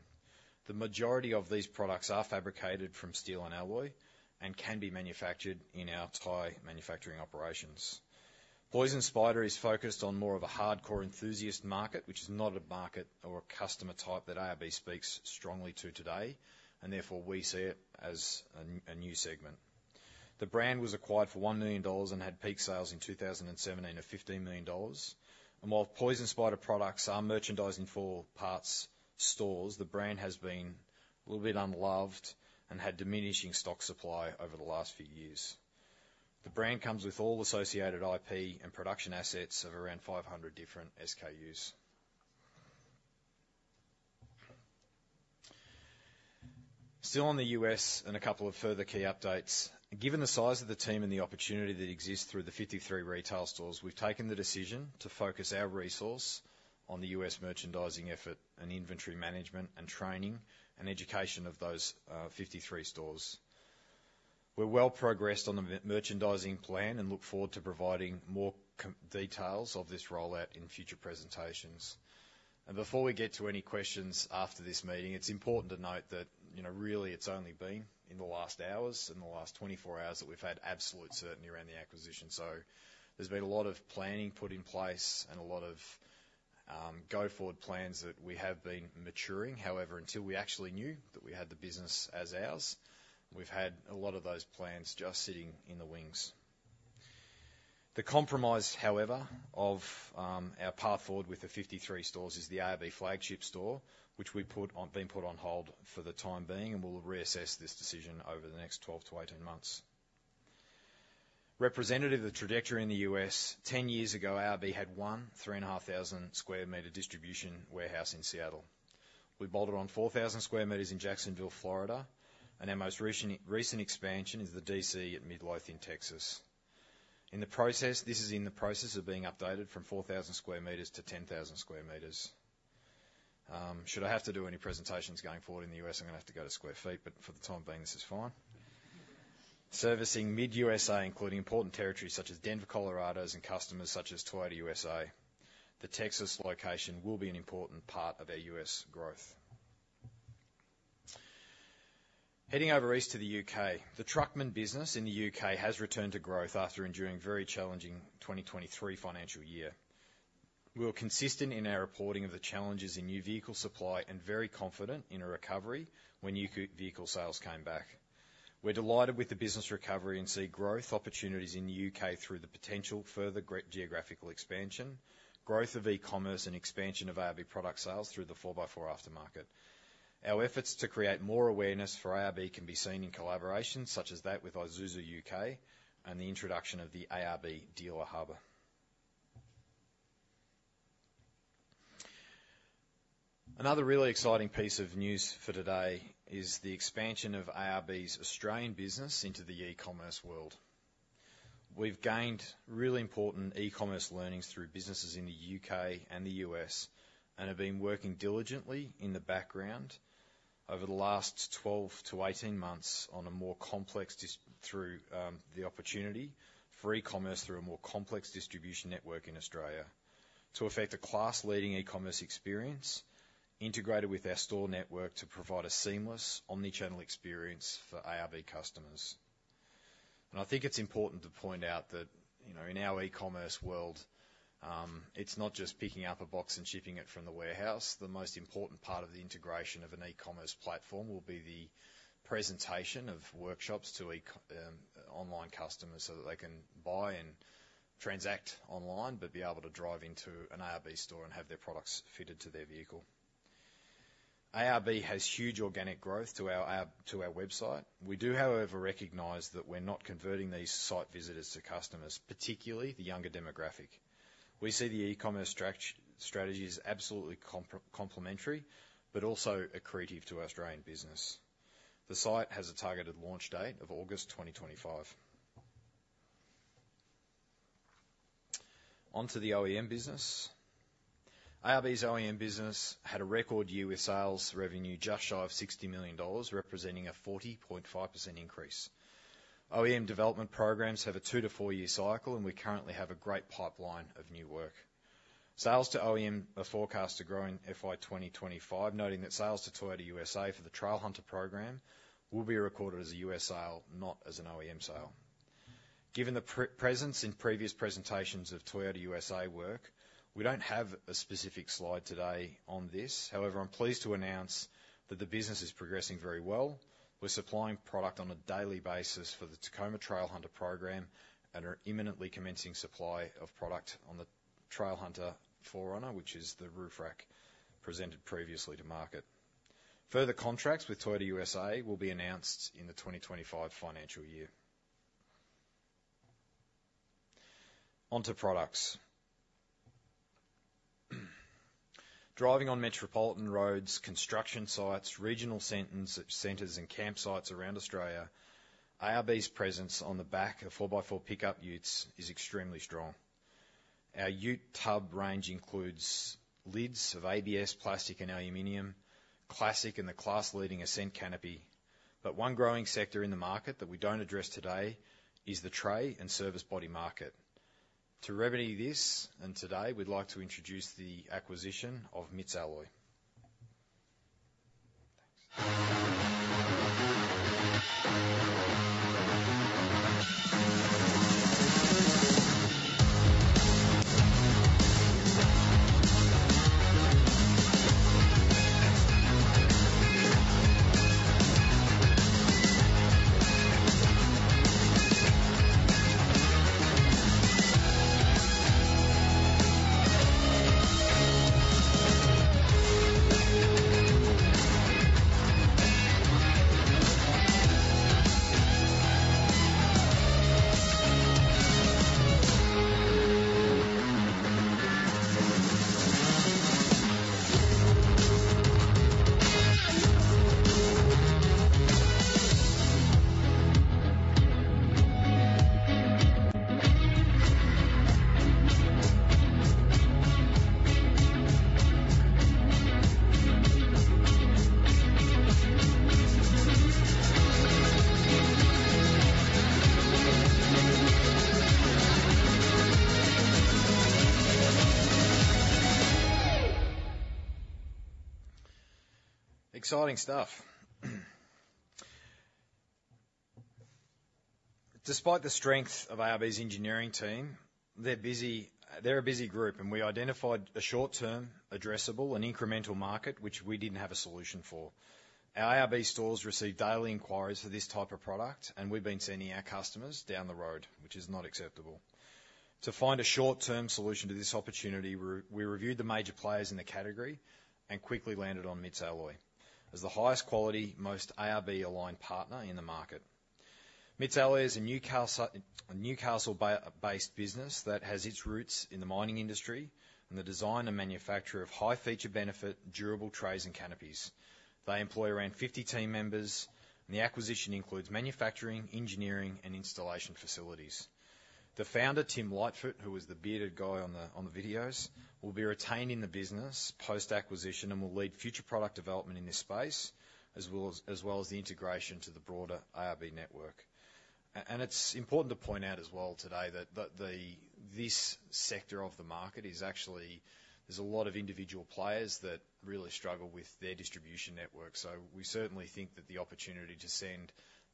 The majority of these products are fabricated from steel and alloy and can be manufactured in our Thai manufacturing operations. Poison Spyder is focused on more of a hardcore enthusiast market, which is not a market or a customer type that ARB speaks strongly to today, and therefore, we see it as a new segment. The brand was acquired for $1 million and had peak sales in 2017 of $15 million. And while Poison Spyder products are merchandised in 4 Wheel Parts stores, the brand has been a little bit unloved and had diminishing stock supply over the last few years. The brand comes with all associated IP and production assets of around 500 different SKUs. Still on the U.S., and a couple of further key updates. Given the size of the team and the opportunity that exists through the 53 retail stores, we've taken the decision to focus our resource on the U.S. merchandising effort and inventory management and training and education of those 53 stores. We're well progressed on the merchandising plan and look forward to providing more details of this rollout in future presentations. Before we get to any questions after this meeting, it's important to note that, you know, really, it's only been in the last hours, in the last 24 hours, that we've had absolute certainty around the acquisition. So there's been a lot of planning put in place and a lot of go-forward plans that we have been maturing. However, until we actually knew that we had the business as ours, we've had a lot of those plans just sitting in the wings. The compromise, however, of our path forward with the 53 stores is the ARB flagship store, which has been put on hold for the time being, and we'll reassess this decision over the next 12-18months. Representative of the trajectory in the U.S. 10 years ago, ARB had one 3,500-square-meter distribution warehouse in Seattle. We bolted on 4,000 square meters in Jacksonville, Florida, and our most recent expansion is the DC at Midlothian, Texas. In the process, this is in the process of being updated from 4,000 square meters to 10,000 square meters. Should I have to do any presentations going forward in the U.S., I'm gonna have to go to square feet, but for the time being, this is fine. Servicing mid-USA, including important territories such as Denver, Colorado, and customers such as Toyota USA, the Texas location will be an important part of our U.S. growth. Heading over east to the U.K., the Truckman business in the U.K. has returned to growth after enduring a very challenging 2023 financial year. We were consistent in our reporting of the challenges in new vehicle supply and very confident in a recovery when new vehicle sales came back. We're delighted with the business recovery and see growth opportunities in the U.K. through the potential further great geographical expansion, growth of e-commerce, and expansion of ARB product sales through the 4x4 aftermarket. Our efforts to create more awareness for ARB can be seen in collaborations such as that with Isuzu UK and the introduction of the ARB Dealer Hub. Another really exciting piece of news for today is the expansion of ARB's Australian business into the e-commerce world. We've gained really important e-commerce learnings through businesses in the U.K. and the U.S., and have been working diligently in the background over the last twelve to eighteen months on the opportunity for e-commerce through a more complex distribution network in Australia, to effect a class-leading e-commerce experience integrated with our store network to provide a seamless, omni-channel experience for ARB customers. I think it's important to point out that, you know, in our e-commerce world, it's not just picking up a box and shipping it from the warehouse. The most important part of the integration of an e-commerce platform will be the presentation of workshops to e-commerce online customers, so that they can buy and transact online, but be able to drive into an ARB store and have their products fitted to their vehicle. ARB has huge organic growth to our app, to our website. We do, however, recognize that we're not converting these site visitors to customers, particularly the younger demographic. We see the e-commerce strategy as absolutely complementary, but also accretive to Australian business. The site has a targeted launch date of August 2025. On to the OEM business. ARB's OEM business had a record year, with sales revenue just shy of $60 million, representing a 40.5% increase. OEM development programs have a 2-4-year cycle, and we currently have a great pipeline of new work. Sales to OEM are forecast to grow in FY 2025, noting that sales to Toyota USA for the Trailhunter program will be recorded as a US sale, not as an OEM sale. Given the presence in previous presentations of Toyota USA work, we don't have a specific slide today on this. However, I'm pleased to announce that the business is progressing very well. We're supplying product on a daily basis for the Tacoma Trailhunter program and are imminently commencing supply of product on the Trailhunter 4Runner, which is the roof rack presented previously to market. Further contracts with Toyota USA will be announced in the 2025 financial year. On to products. Driving on metropolitan roads, construction sites, regional centers, and campsites around Australia, ARB's presence on the back of 4x4 pickup Utes is extremely strong. Our ute tub range includes lids of ABS plastic, and aluminum, classic and the class-leading Ascent Canopy. But one growing sector in the market that we don't address today is the tray and service body market. To remedy this, and today, we'd like to introduce the acquisition of MITS Alloy. Exciting stuff. Despite the strength of ARB's engineering team, they're busy. They're a busy group, and we identified a short-term, addressable and incremental market, which we didn't have a solution for. Our ARB stores receive daily inquiries for this type of product, and we've been sending our customers down the road, which is not acceptable. To find a short-term solution to this opportunity, we reviewed the major players in the category and quickly landed on MITS Alloy as the highest quality, most ARB-aligned partner in the market. MITS Alloy is a Newcastle-based business that has its roots in the mining industry, and the design and manufacture of high feature benefit, durable trays and canopies. They employ around 50 team members, and the acquisition includes manufacturing, engineering, and installation facilities. The founder, Tim Lightfoot, who is the bearded guy on the videos, will be retained in the business post-acquisition and will lead future product development in this space, as well as the integration to the broader ARB network. And it's important to point out as well today that this sector of the market is actually. There's a lot of individual players that really struggle with their distribution network, so we certainly think that the opportunity to send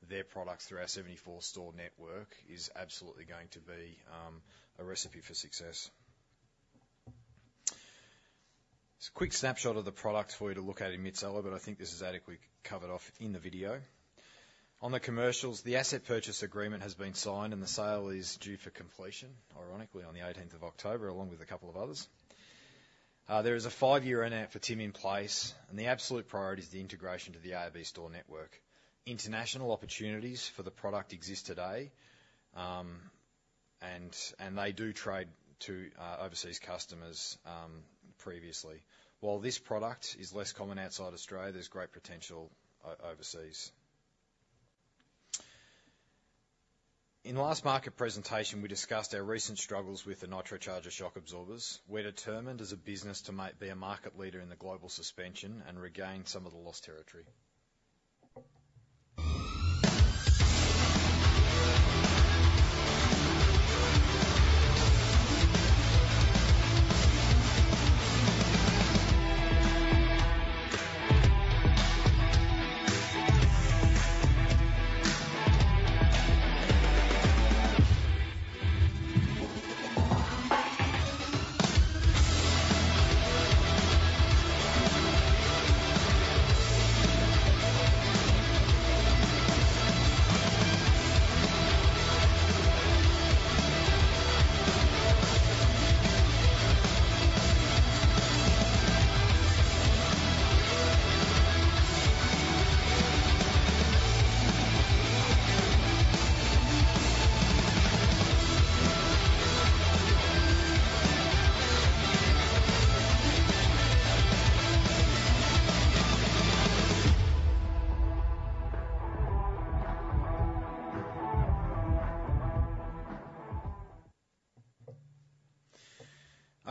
their products through our 74-store network is absolutely going to be a recipe for success. Just a quick snapshot of the product for you to look at in MITS Alloy, but I think this is adequately covered off in the video. On the commercials, the asset purchase agreement has been signed, and the sale is due for completion, ironically, on the 18th of October, along with a couple of others. There is a five-year non-compete for the team in place, and the absolute priority is the integration to the ARB store network. International opportunities for the product exist today, and they do trade to overseas customers previously. While this product is less common outside Australia, there's great potential overseas. In last market presentation, we discussed our recent struggles with the Nitrocharger shock absorbers. We're determined as a business to be a market leader in the global suspension and regain some of the lost territory.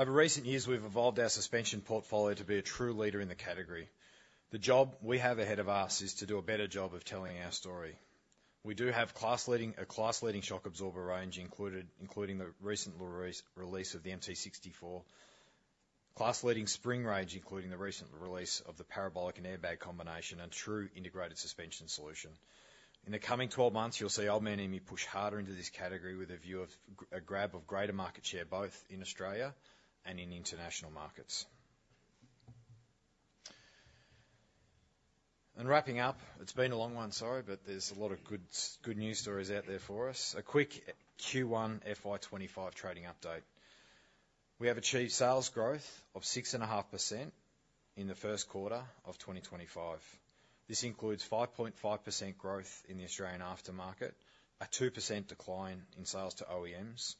Over recent years, we've evolved our suspension portfolio to be a true leader in the category. The job we have ahead of us is to do a better job of telling our story. We do have class-leading, a class-leading shock absorber range, including the recent release of the MT64. Class-leading spring range, including the recent release of the parabolic and airbag combination, a true integrated suspension solution. In the coming 12 months, you'll see Old Man Emu push harder into this category with a view of a grab of greater market share, both in Australia and in international markets. Wrapping up, it's been a long one, sorry, but there's a lot of good news stories out there for us. A quick Q1 FY 2025 trading update. We have achieved sales growth of 6.5% in the first quarter of 2025. This includes 5.5% growth in the Australian aftermarket, a 2% decline in sales to OEMs,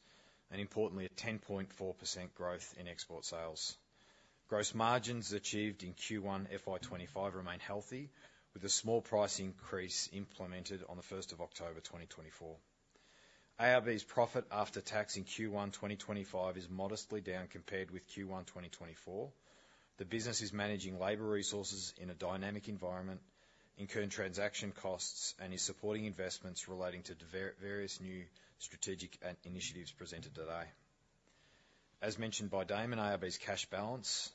and importantly, a 10.4% growth in export sales. Gross margins achieved in Q1 FY 2025 remain healthy, with a small price increase implemented on the first of October 2024. ARB's profit after tax in Q1 2025 is modestly down compared with Q1 2024. The business is managing labor resources in a dynamic environment, incurring transaction costs and is supporting investments relating to various new strategic initiatives presented today. As mentioned by Damon, ARB's cash balance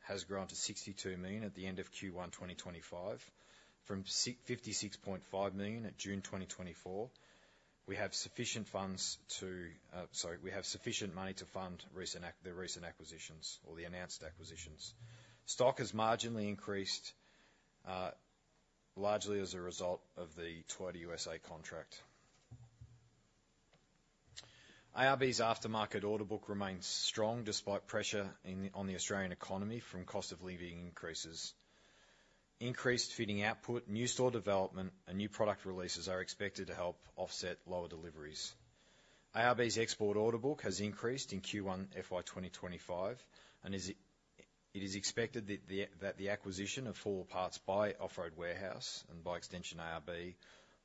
has grown to$62 million at the end of Q1 2025, from $56.5 million at June 2024. We have sufficient funds to fund the recent acquisitions or the announced acquisitions. Stock has marginally increased, largely as a result of the Toyota USA contract. ARB's aftermarket order book remains strong despite pressure on the Australian economy from cost of living increases. Increased fitting output, new store development and new product releases are expected to help offset lower deliveries. ARB's export order book has increased in Q1 FY 2025 and it is expected that the acquisition of 4 Wheel Parts by Off Road Warehouse, and by extension, ARB,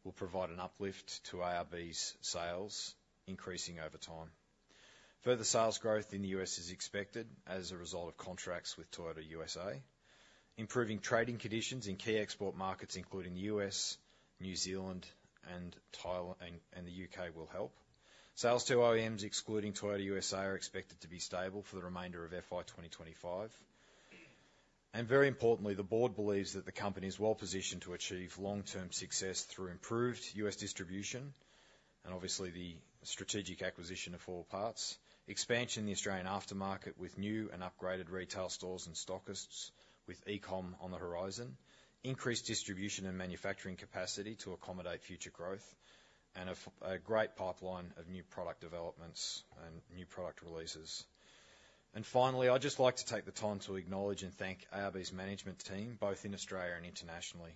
will provide an uplift to ARB's sales, increasing over time. Further sales growth in the U.S. is expected as a result of contracts with Toyota USA. Improving trading conditions in key export markets, including US, New Zealand, and Thailand and the U.K. will help. Sales to OEMs, excluding Toyota USA, are expected to be stable for the remainder of FY 2025. And very importantly, the Board believes that the company is well-positioned to achieve long-term success through improved U.S. distribution, and obviously, the strategic acquisition of 4 Wheel Parts. Expansion in the Australian aftermarket with new and upgraded retail stores and stockists with e-com on the horizon, increased distribution and manufacturing capacity to accommodate future growth, and a great pipeline of new product developments and new product releases. And finally, I'd just like to take the time to acknowledge and thank ARB's management team, both in Australia and internationally.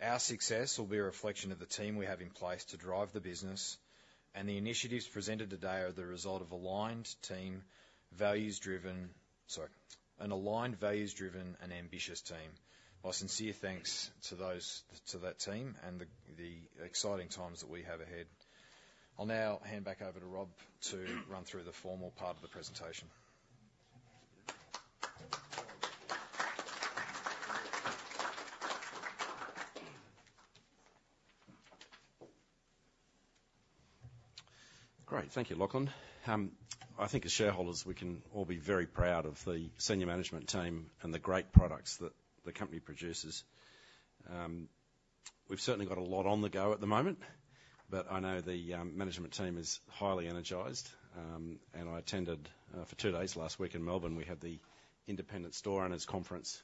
Our success will be a reflection of the team we have in place to drive the business, and the initiatives presented today are the result of an aligned, values driven and ambitious team. Sorry. My sincere thanks to that team and the exciting times that we have ahead. I'll now hand back over to Rob to run through the formal part of the presentation. Great. Thank you, Lachlan. I think as shareholders, we can all be very proud of the senior management team and the great products that the company produces. We've certainly got a lot on the go at the moment, but I know the management team is highly energized, and I attended for two days last week in Melbourne. We had the Independent Store Owners Conference,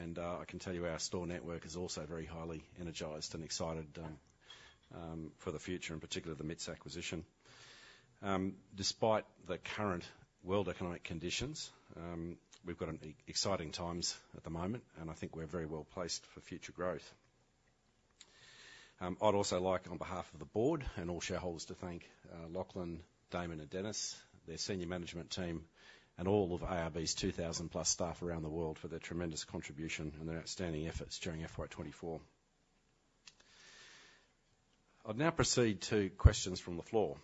and I can tell you our store network is also very highly energized and excited for the future, in particular, the MITS acquisition. Despite the current world economic conditions, we've got exciting times at the moment, and I think we're very well placed for future growth. I'd also like, on behalf of the Board and all shareholders, to thank Lachlan, Damon, and Dennis, their senior management team, and all of ARB's 2000+ staff around the world for their tremendous contribution and their outstanding efforts during FY 2024. I'll now proceed to questions from the floor.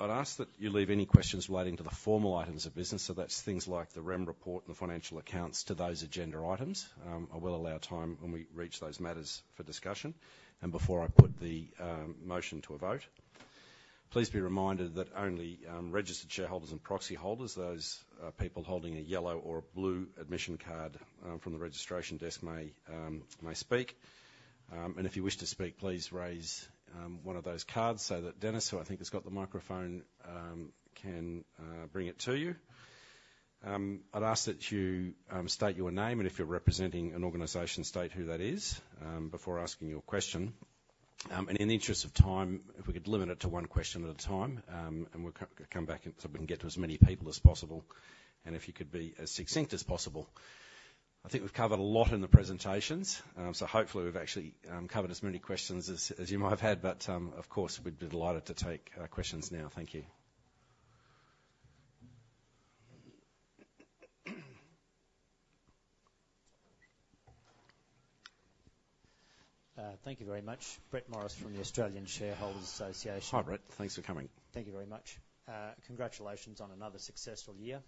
I'd ask that you leave any questions relating to the formal items of business, so that's things like the remuneration report and the financial accounts to those agenda items. I will allow time when we reach those matters for discussion and before I put the motion to a vote. Please be reminded that only registered shareholders and proxy holders, those people holding a yellow or a blue admission card from the registration desk may speak. And if you wish to speak, please raise one of those cards so that Dennis, who I think has got the microphone, can bring it to you. I'd ask that you state your name, and if you're representing an organization, state who that is, before asking your question. And in the interest of time, if we could limit it to one question at a time, and we'll come back so we can get to as many people as possible, and if you could be as succinct as possible. I think we've covered a lot in the presentations, so hopefully we've actually covered as many questions as you might have had, but of course, we'd be delighted to take questions now. Thank you. Thank you very much. Brett Morris from the Australian Shareholders' Association. Hi, Brett. Thanks for coming. Thank you very much. Congratulations on another successful year.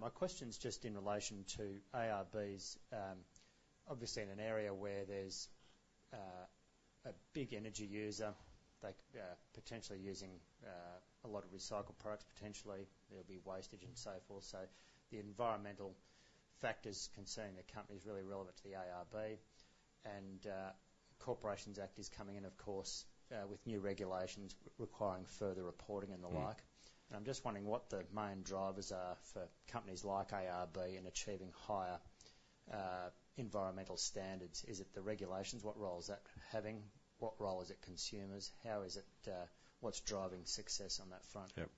My question is just in relation to ARB's. Obviously, in an area where there's a big energy user, they potentially using a lot of recycled products, potentially, there'll be wastage and so forth. So the environmental factors concerning the company is really relevant to the ARB, and Corporations Act is coming in, of course, with new regulations requiring further reporting and the like. Mm-hmm. I'm just wondering what the main drivers are for companies like ARB in achieving higher environmental standards. Is it the regulations? What role is that having? What role is it consumers? How is it, what's driving success on that front? Yep.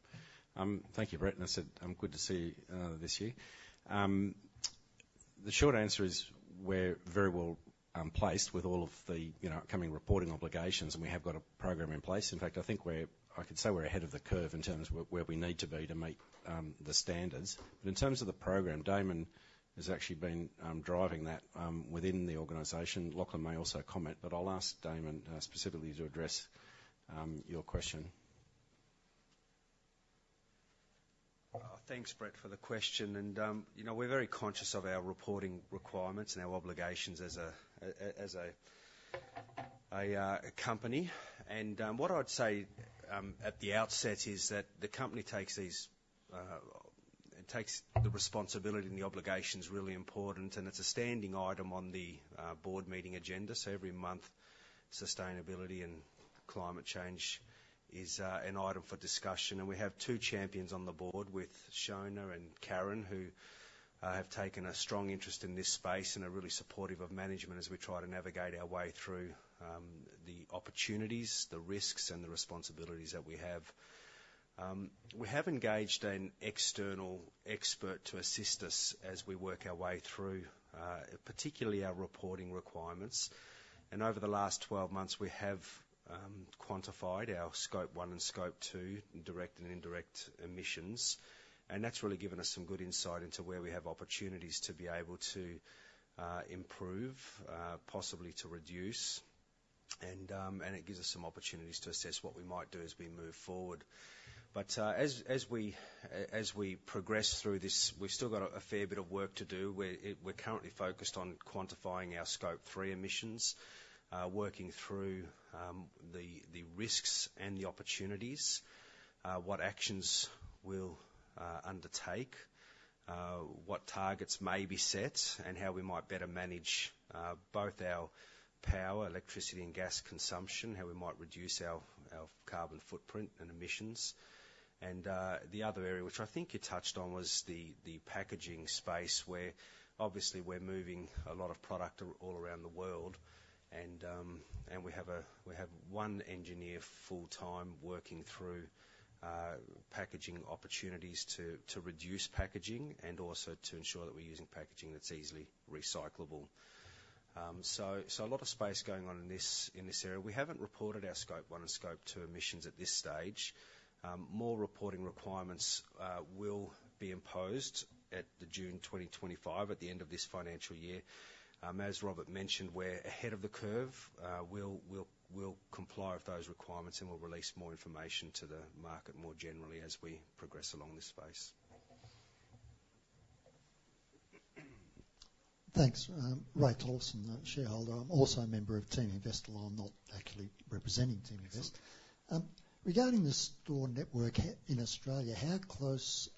Thank you, Brett, and I said good to see you this year. The short answer is, we're very well placed with all of the, you know, coming reporting obligations, and we have got a program in place. In fact, I think we're, I could say we're ahead of the curve in terms of where we need to be to meet the standards. But in terms of the program, Damon has actually been driving that within the organization. Lachlan may also comment, but I'll ask Damon specifically to address your question. Thanks, Brett, for the question. And, you know, we're very conscious of our reporting requirements and our obligations as a company. And, what I'd say at the outset is that the company takes the responsibility and the obligations really important, and it's a standing item on the board meeting agenda. So every month, sustainability and climate change is an item for discussion. And we have two champions on the board with Shona and Karen, who have taken a strong interest in this space and are really supportive of management as we try to navigate our way through the opportunities, the risks, and the responsibilities that we have. We have engaged an external expert to assist us as we work our way through, particularly our reporting requirements. Over the last 12 months, we have quantified our Scope 1 and Scope 2, direct and indirect emissions, and that's really given us some good insight into where we have opportunities to be able to improve, possibly to reduce, and it gives us some opportunities to assess what we might do as we move forward. But as we progress through this, we've still got a fair bit of work to do. We're currently focused on quantifying our Scope 3 emissions, working through the risks and the opportunities, what actions we'll undertake, what targets may be set, and how we might better manage both our power, electricity, and gas consumption, how we might reduce our carbon footprint and emissions. The other area, which I think you touched on, was the packaging space, where obviously we're moving a lot of product all around the world, and we have one engineer full-time working through packaging opportunities to reduce packaging and also to ensure that we're using packaging that's easily recyclable. So a lot of space going on in this area. We haven't reported our Scope 1 and Scope 2 emissions at this stage. More reporting requirements will be imposed at the June twenty twenty-five, at the end of this financial year. As Robert mentioned, we're ahead of the curve. We'll comply with those requirements, and we'll release more information to the market more generally as we progress along this space. Thanks. Ray Tolson, shareholder. I'm also a member of Teaminvest, although I'm not actually representing Teaminvest. Regarding the store network in Australia, how close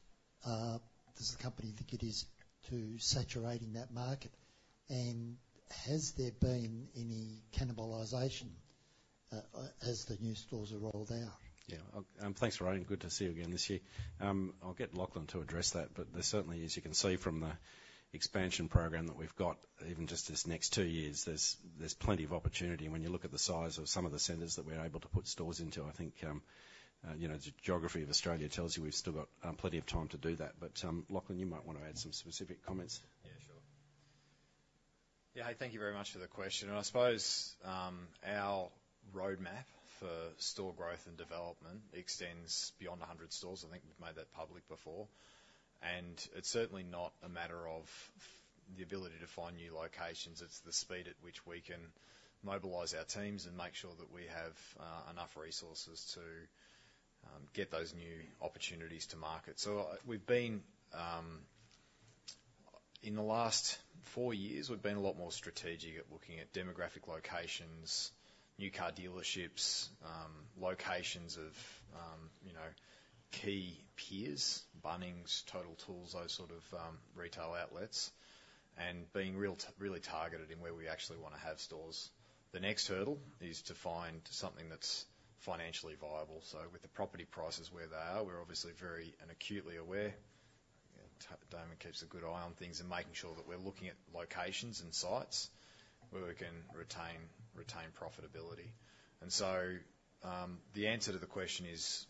does the company think it is to saturating that market? And has there been any cannibalization as the new stores are rolled out? Yeah. Thanks, Ray, and good to see you again this year. I'll get Lachlan to address that, but there certainly, as you can see from the expansion program that we've got, even just this next two years, there's plenty of opportunity. When you look at the size of some of the centers that we're able to put stores into, I think, you know, the geography of Australia tells you we've still got plenty of time to do that. But, Lachlan, you might want to add some specific comments. Yeah, sure. Yeah, thank you very much for the question, and I suppose our roadmap for store growth and development extends beyond a hundred stores. I think we've made that public before. And it's certainly not a matter of the ability to find new locations, it's the speed at which we can mobilize our teams and make sure that we have enough resources to get those new opportunities to market. So we've been in the last four years, we've been a lot more strategic at looking at demographic locations, new car dealerships locations of you know, key peers, Bunnings, Total Tools, those sort of retail outlets, and being real, really targeted in where we actually want to have stores. The next hurdle is to find something that's financially viable. So with the property prices where they are, we're obviously very and acutely aware. Damon keeps a good eye on things and making sure that we're looking at locations and sites where we can retain profitability. And so, the answer to the question is,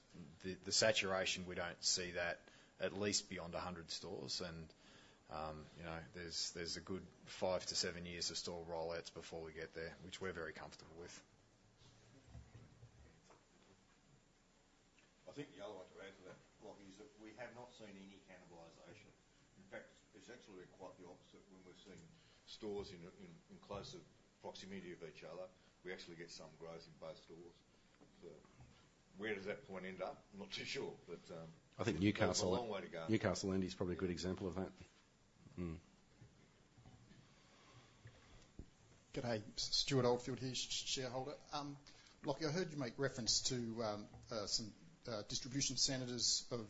the saturation, we don't see that at least beyond a hundred stores. And, you know, there's a good five to seven years of store rollouts before we get there, which we're very comfortable with. I think the other one to add to that, Lachie, is that we have not seen any cannibalization. In fact, it's actually quite the opposite. When we're seeing stores in closer proximity of each other, we actually get some growth in both stores. So where does that point end up? I'm not too sure, but, I think Newcastle- There's a long way to go. Newcastle indeed is probably a good example of that. G'day. Stuart Oldfield here, shareholder. Lachie, I heard you make reference to some distribution centers of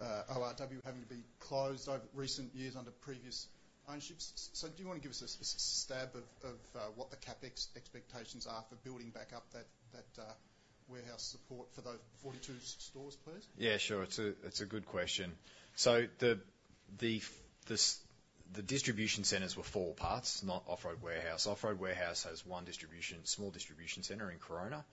ORW having been closed over recent years under previous ownerships. So do you want to give us a specific stab of what the CapEx expectations are for building back up that warehouse support for those 42 stores, please? Yeah, sure. It's a good question. So the distribution centers were 4 Wheel Parts, not Off Road Warehouse. Off Road Warehouse has one small distribution center in Corona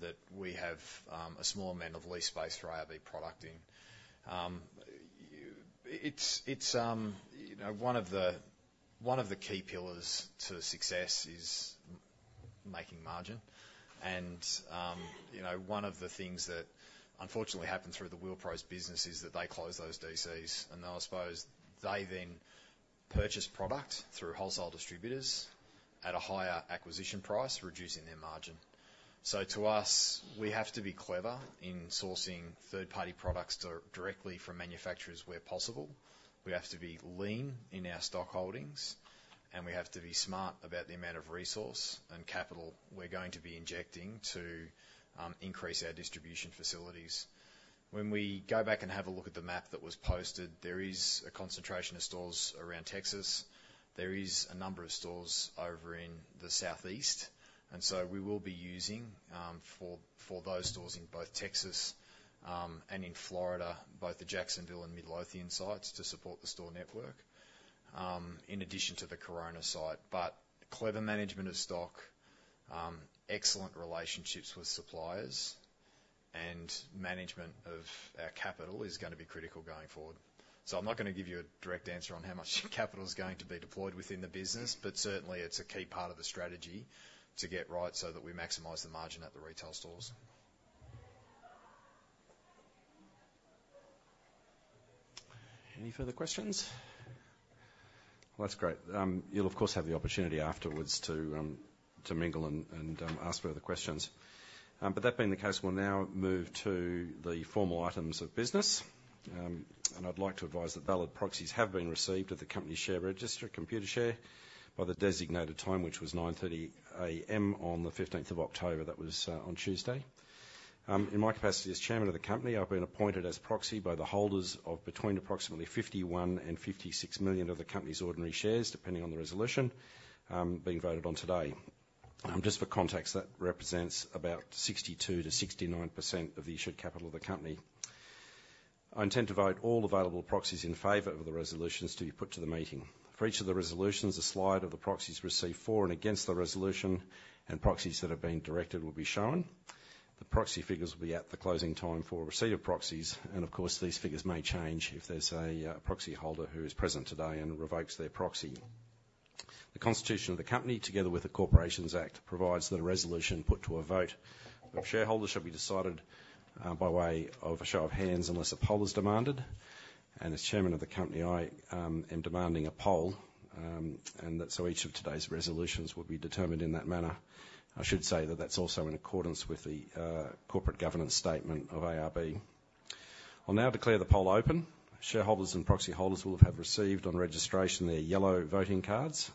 that we have a small amount of lease space for ARB product in. It's, you know, one of the key pillars to success is making margin. And, you know, one of the things that unfortunately happened through the Wheel Pros business is that they closed those DCs, and now I suppose they then purchased product through wholesale distributors at a higher acquisition price, reducing their margin. So to us, we have to be clever in sourcing third-party products directly from manufacturers where possible. We have to be lean in our stock holdings, and we have to be smart about the amount of resource and capital we're going to be injecting to increase our distribution facilities. When we go back and have a look at the map that was posted, there is a concentration of stores around Texas. There is a number of stores over in the Southeast, and so we will be using for those stores in both Texas and in Florida, both the Jacksonville and Midlothian sites to support the store network in addition to the Corona site, but clever management of stock, excellent relationships with suppliers, and management of our capital is going to be critical going forward. So I'm not going to give you a direct answer on how much capital is going to be deployed within the business, but certainly, it's a key part of the strategy to get right so that we maximize the margin at the retail stores. Any further questions? That's great. You'll of course have the opportunity afterwards to mingle and ask further questions. But that being the case, we'll now move to the formal items of business. And I'd like to advise that valid proxies have been received at the company share registry, Computershare, by the designated time, which was 9:30 A.M. on the 15th of October. That was on Tuesday. In my capacity as chairman of the company, I've been appointed as proxy by the holders of between approximately 51 and 56 million of the company's ordinary shares, depending on the resolution being voted on today. Just for context, that represents about 62%-69% of the issued capital of the company. I intend to vote all available proxies in favor of the resolutions to be put to the meeting. For each of the resolutions, a slide of the proxies received for and against the resolution and proxies that have been directed will be shown. The proxy figures will be at the closing time for receipt of proxies, and of course, these figures may change if there's a proxy holder who is present today and revokes their proxy. The constitution of the company, together with the Corporations Act, provides that a resolution put to a vote of shareholders shall be decided by way of a show of hands unless a poll is demanded, and as chairman of the company, I am demanding a poll, so each of today's resolutions will be determined in that manner. I should say that that's also in accordance with the corporate governance statement of ARB. I'll now declare the poll open. Shareholders and proxy holders will have received on registration their yellow voting cards.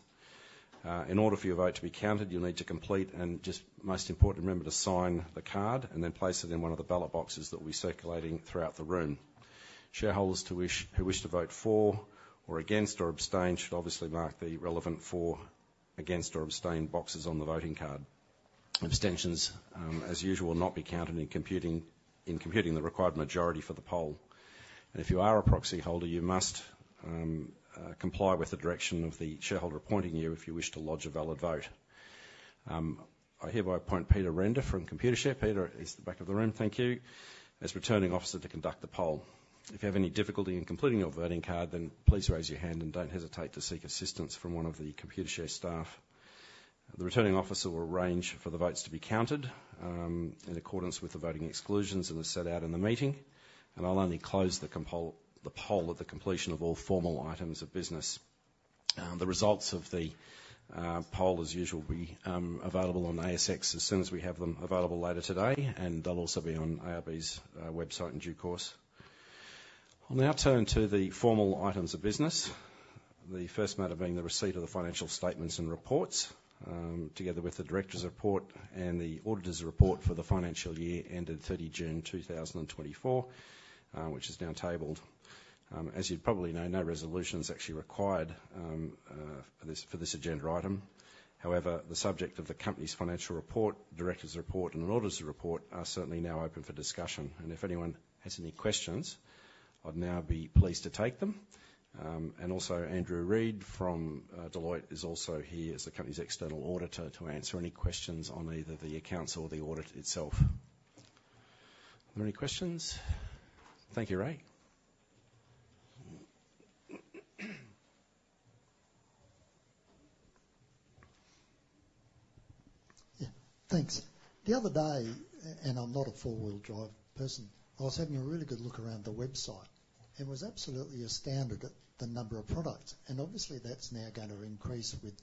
In order for your vote to be counted, you'll need to complete, and just most important, remember to sign the card and then place it in one of the ballot boxes that will be circulating throughout the room. Shareholders who wish to vote for, or against, or abstain, should obviously mark the relevant for, against, or abstain boxes on the voting card. Abstentions, as usual, will not be counted in computing the required majority for the poll. And if you are a proxy holder, you must comply with the direction of the shareholder appointing you if you wish to lodge a valid vote. I hereby appoint Peter Renda from Computershare. Peter is at the back of the room. Thank you. As Returning Officer to conduct the poll. If you have any difficulty in completing your voting card, then please raise your hand and don't hesitate to seek assistance from one of the Computershare staff. The Returning Officer will arrange for the votes to be counted in accordance with the voting exclusions that are set out in the meeting, and I'll only close the poll at the completion of all formal items of business. The results of the poll, as usual, will be available on ASX as soon as we have them available later today, and they'll also be on ARB's website in due course. I'll now turn to the formal items of business. The first matter being the receipt of the financial statements and reports, together with the directors' report and the auditors' report for the financial year ended thirty June 2024 which is now tabled. As you'd probably know, no resolution is actually required for this agenda item. However, the subject of the company's financial report, directors' report, and auditors' report are certainly now open for discussion, and if anyone has any questions, I'd now be pleased to take them. And also, Andrew Reid, from Deloitte, is also here as the company's external auditor to answer any questions on either the accounts or the audit itself. Are there any questions? Thank you, Ray. Yeah. Thanks. The other day, and I'm not a four-wheel drive person, I was having a really good look around the website and was absolutely astounded at the number of products. And obviously, that's now gonna increase with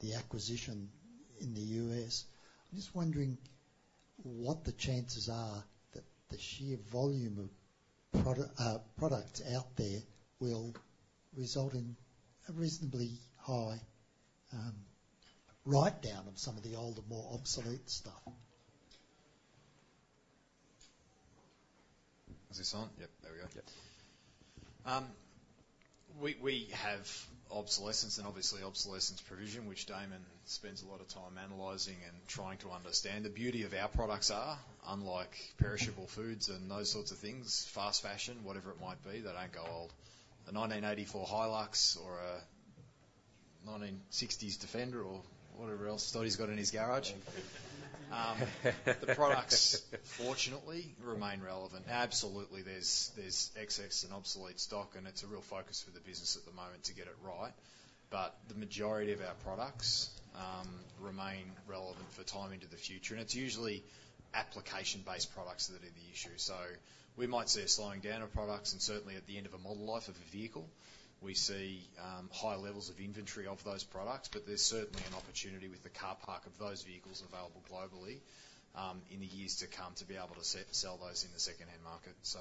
the acquisition in the U.S. I'm just wondering what the chances are that the sheer volume of products out there will result in a reasonably high write-down of some of the older, more obsolete stuff? Is this on? Yep, there we go. Yep. We have obsolescence and obviously obsolescence provision, which Damon spends a lot of time analyzing and trying to understand. The beauty of our products are, unlike perishable foods and those sorts of things, fast fashion, whatever it might be, they don't go old. A 1984 Hilux or a nineteen sixties Defender or whatever else Dottie's got in his garage. The products fortunately remain relevant. Absolutely, there's excess and obsolete stock, and it's a real focus for the business at the moment to get it right. But the majority of our products remain relevant for time into the future, and it's usually application-based products that are the issue. So we might see a slowing down of products, and certainly at the end of a model life of a vehicle, we see high levels of inventory of those products, but there's certainly an opportunity with the car park of those vehicles available globally, in the years to come, to be able to sell those in the secondhand market. So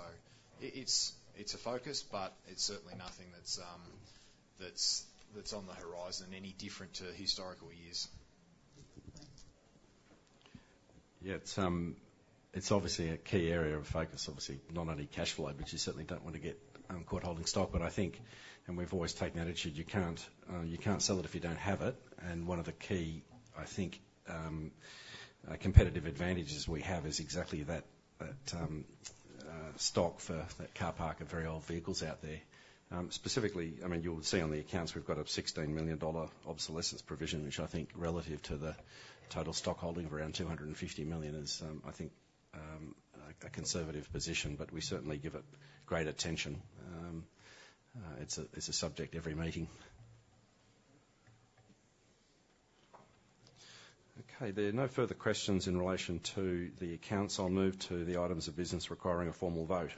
it's a focus, but it's certainly nothing that's on the horizon any different to historical years. Yeah, it's, it's obviously a key area of focus. Obviously, not only cash flow, but you certainly don't want to get caught holding stock. But I think, and we've always taken the attitude, you can't, you can't sell it if you don't have it, and one of the key, I think, competitive advantages we have is exactly that, that stock for that car park of very old vehicles out there. Specifically, I mean, you'll see on the accounts, we've got a $16 million obsolescence provision, which I think relative to the total stock holding of around $250 million is, I think, a conservative position, but we certainly give it great attention. It's a subject every meeting. Okay, there are no further questions in relation to the accounts. I'll move to the items of business requiring a formal vote.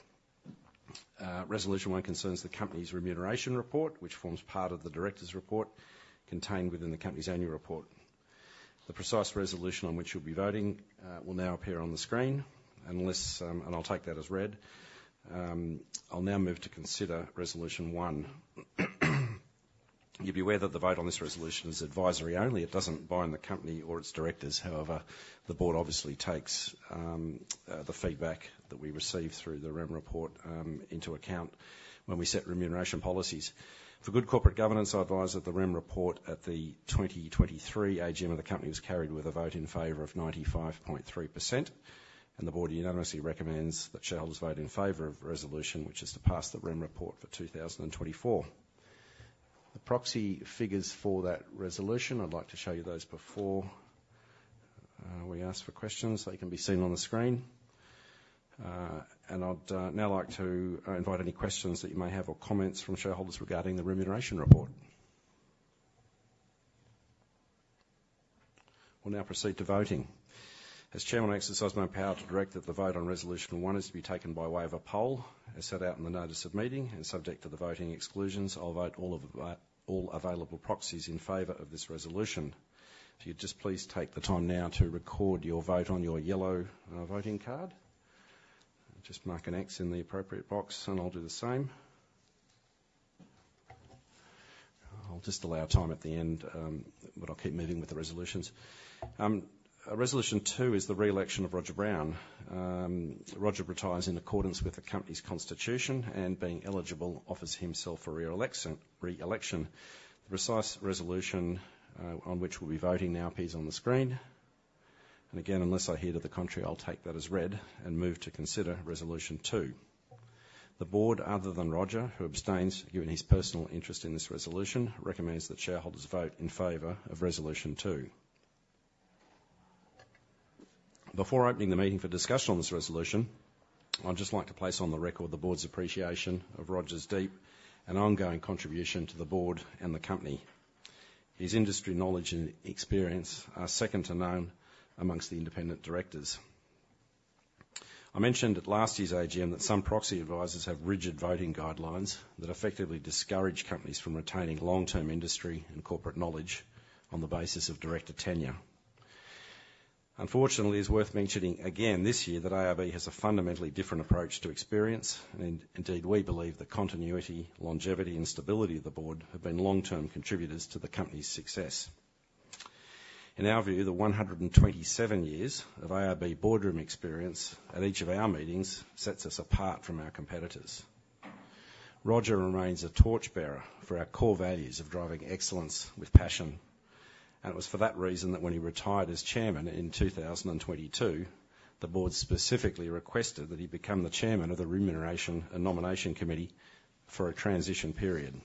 Resolution one concerns the company's remuneration report, which forms part of the directors' report contained within the company's annual report. The precise resolution on which you'll be voting will now appear on the screen, unless. And I'll take that as read. I'll now move to consider resolution one. You'll be aware that the vote on this resolution is advisory only. It doesn't bind the company or its directors. However, the Board obviously takes the feedback that we receive through the remuneration report into account when we set remuneration policies. For good corporate governance, I advise that the remuneration report at the 2023 AGM of the company was carried with a vote in favor of 95.3%, and the board unanimously recommends that shareholders vote in favor of the resolution, which is to pass the remuneration report for 2024. The proxy figures for that resolution, I'd like to show you those before we ask for questions, they can be seen on the screen, and I'd now like to invite any questions that you may have or comments from shareholders regarding the remuneration report. We'll now proceed to voting. As Chairman, I exercise my power to direct that the vote on resolution one is to be taken by way of a poll, as set out in the notice of meeting, and subject to the voting exclusions. I'll vote all of the all available proxies in favor of this resolution. If you'd just please take the time now to record your vote on your yellow, voting card. Just mark an X in the appropriate box, and I'll do the same. I'll just allow time at the end, but I'll keep moving with the resolutions. Resolution Two is the re-election of Roger Brown. Roger retires in accordance with the company's constitution, and being eligible, offers himself for re-election, re-election. The precise resolution, on which we'll be voting now appears on the screen, and again, unless I hear to the contrary, I'll take that as read and move to consider Resolution Two. The board, other than Roger, who abstains, given his personal interest in this resolution, recommends that shareholders vote in favor of Resolution Two. Before opening the meeting for discussion on this resolution, I'd just like to place on the record the board's appreciation of Roger's deep and ongoing contribution to the board and the company. His industry knowledge and experience are second to none among the independent directors. I mentioned at last year's AGM that some proxy advisors have rigid voting guidelines that effectively discourage companies from retaining long-term industry and corporate knowledge on the basis of director tenure. Unfortunately, it's worth mentioning again this year that ARB has a fundamentally different approach to experience, and indeed, we believe the continuity, longevity and stability of the board have been long-term contributors to the company's success. In our view, the one hundred and twenty-seven years of ARB boardroom experience at each of our meetings sets us apart from our competitors. Roger remains a torchbearer for our core values of driving excellence with passion, and it was for that reason that when he retired as chairman in two thousand and twenty-two, the board specifically requested that he become the chairman of the Remuneration and Nomination Committee for a transition period.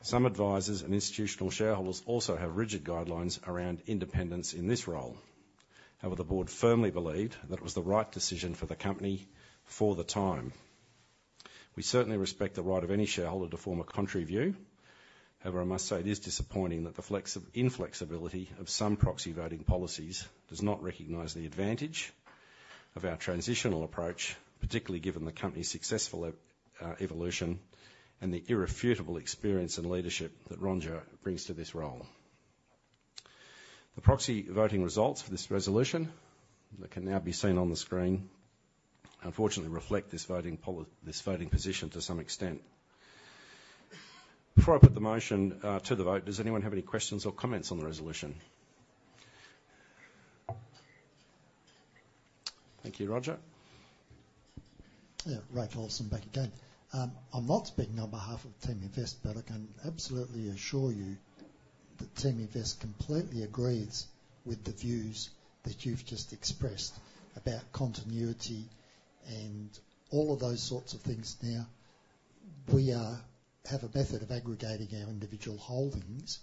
Some advisors and institutional shareholders also have rigid guidelines around independence in this role. However, the board firmly believed that it was the right decision for the company for the time. We certainly respect the right of any shareholder to form a contrary view. However, I must say, it is disappointing that the inflexibility of some proxy voting policies does not recognize the advantage of our transitional approach, particularly given the company's successful evolution and the irrefutable experience and leadership that Roger brings to this role. The proxy voting results for this resolution that can now be seen on the screen, unfortunately, reflect this voting position to some extent. Before I put the motion to the vote, does anyone have any questions or comments on the resolution? Thank you, Roger. Yeah, Ray Tolson back again. I'm not speaking on behalf of Teaminvest, but I can absolutely assure you that Teaminvest completely agrees with the views that you've just expressed about continuity and all of those sorts of things. Now, we have a method of aggregating our individual holdings,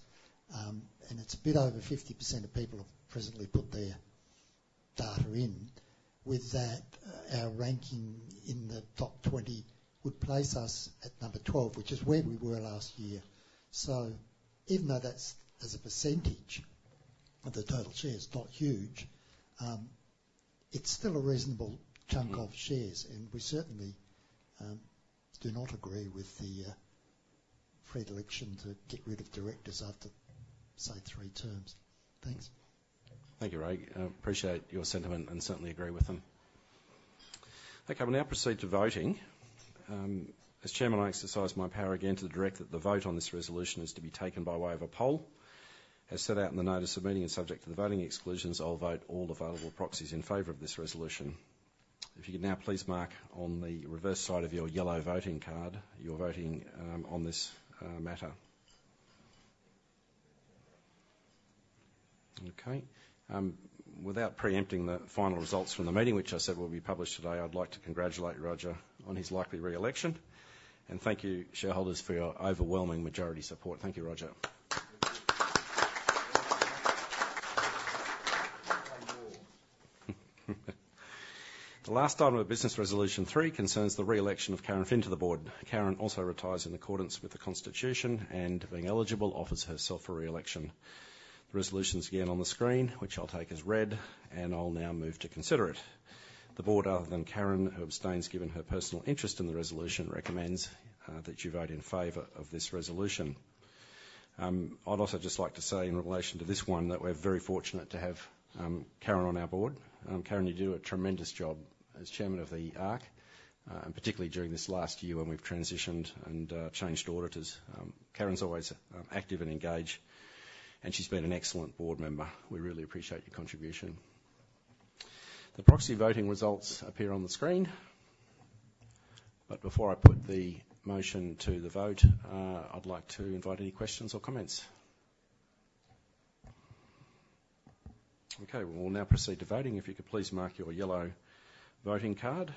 and it's a bit over 50% of people have presently put their data in. With that, our ranking in the top 20 would place us at number 12, which is where we were last year. So even though that's, as a percentage of the total shares, not huge, it's still a reasonable chunk of shares and we certainly do not agree with the predilection to get rid of Directors after, say, three terms. Thanks. Thank you, Ray. I appreciate your sentiment and certainly agree with them. Okay, we'll now proceed to voting. As Chairman, I exercise my power again to direct that the vote on this resolution is to be taken by way of a poll. As set out in the notice of meeting, and subject to the voting exclusions, I'll vote all available proxies in favor of this resolution. If you could now please mark on the reverse side of your yellow voting card, your voting on this matter. Okay. Without preempting the final results from the meeting, which I said will be published today, I'd like to congratulate Roger on his likely re-election. And thank you, shareholders, for your overwhelming majority support. Thank you, Roger. The last item of business Resolution Three concerns the re-election of Karen Phin to the board. Karen also retires in accordance with the Constitution, and being eligible, offers herself for re-election. The resolution's again on the screen, which I'll take as read, and I'll now move to consider it. The Board, other than Karen, who abstains, given her personal interest in the resolution, recommends that you vote in favor of this resolution. I'd also just like to say in relation to this one, that we're very fortunate to have Karen on our board. Karen, you do a tremendous job as Chairman of the ARC, and particularly during this last year when we've transitioned and changed auditors. Karen's always active and engaged, and she's been an excellent board member. We really appreciate your contribution. The proxy voting results appear on the screen. But before I put the motion to the vote, I'd like to invite any questions or comments. Okay, we will now proceed to voting. If you could please mark your yellow voting card.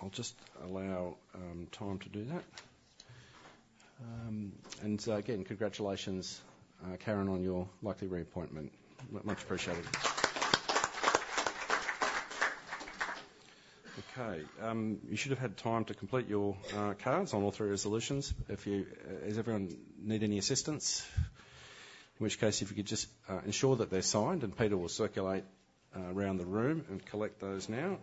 I'll just allow time to do that. And again, congratulations, Karen, on your likely reappointment. Much appreciated. Okay, you should have had time to complete your cards on all three resolutions. Does everyone need any assistance? In which case, if you could just ensure that they're signed, and Peter will circulate around the room and collect those now.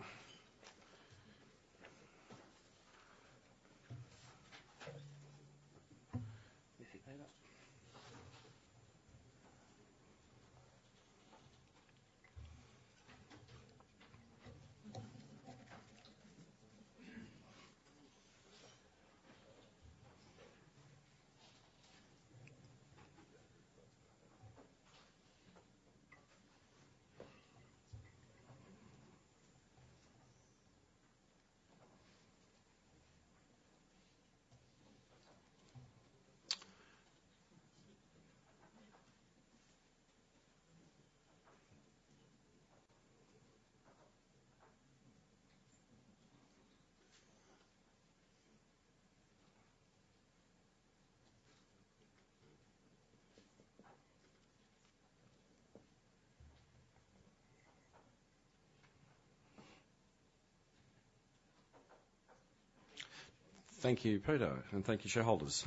Thank you, Peter. And thank you, shareholders.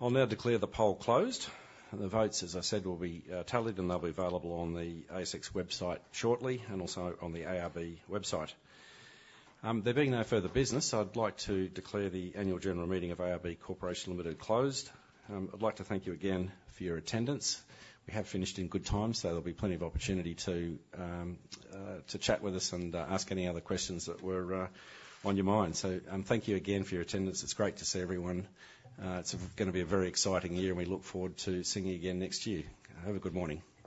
I'll now declare the poll closed. The votes, as I said, will be tallied, and they'll be available on the ASX website shortly and also on the ARB website. There being no further business, I'd like to declare the annual general meeting of ARB Corporation Limited closed. I'd like to thank you again for your attendance. We have finished in good time, so there'll be plenty of opportunity to chat with us and ask any other questions that were on your mind. So, thank you again for your attendance. It's great to see everyone. It's gonna be a very exciting year, and we look forward to seeing you again next year. Have a good morning.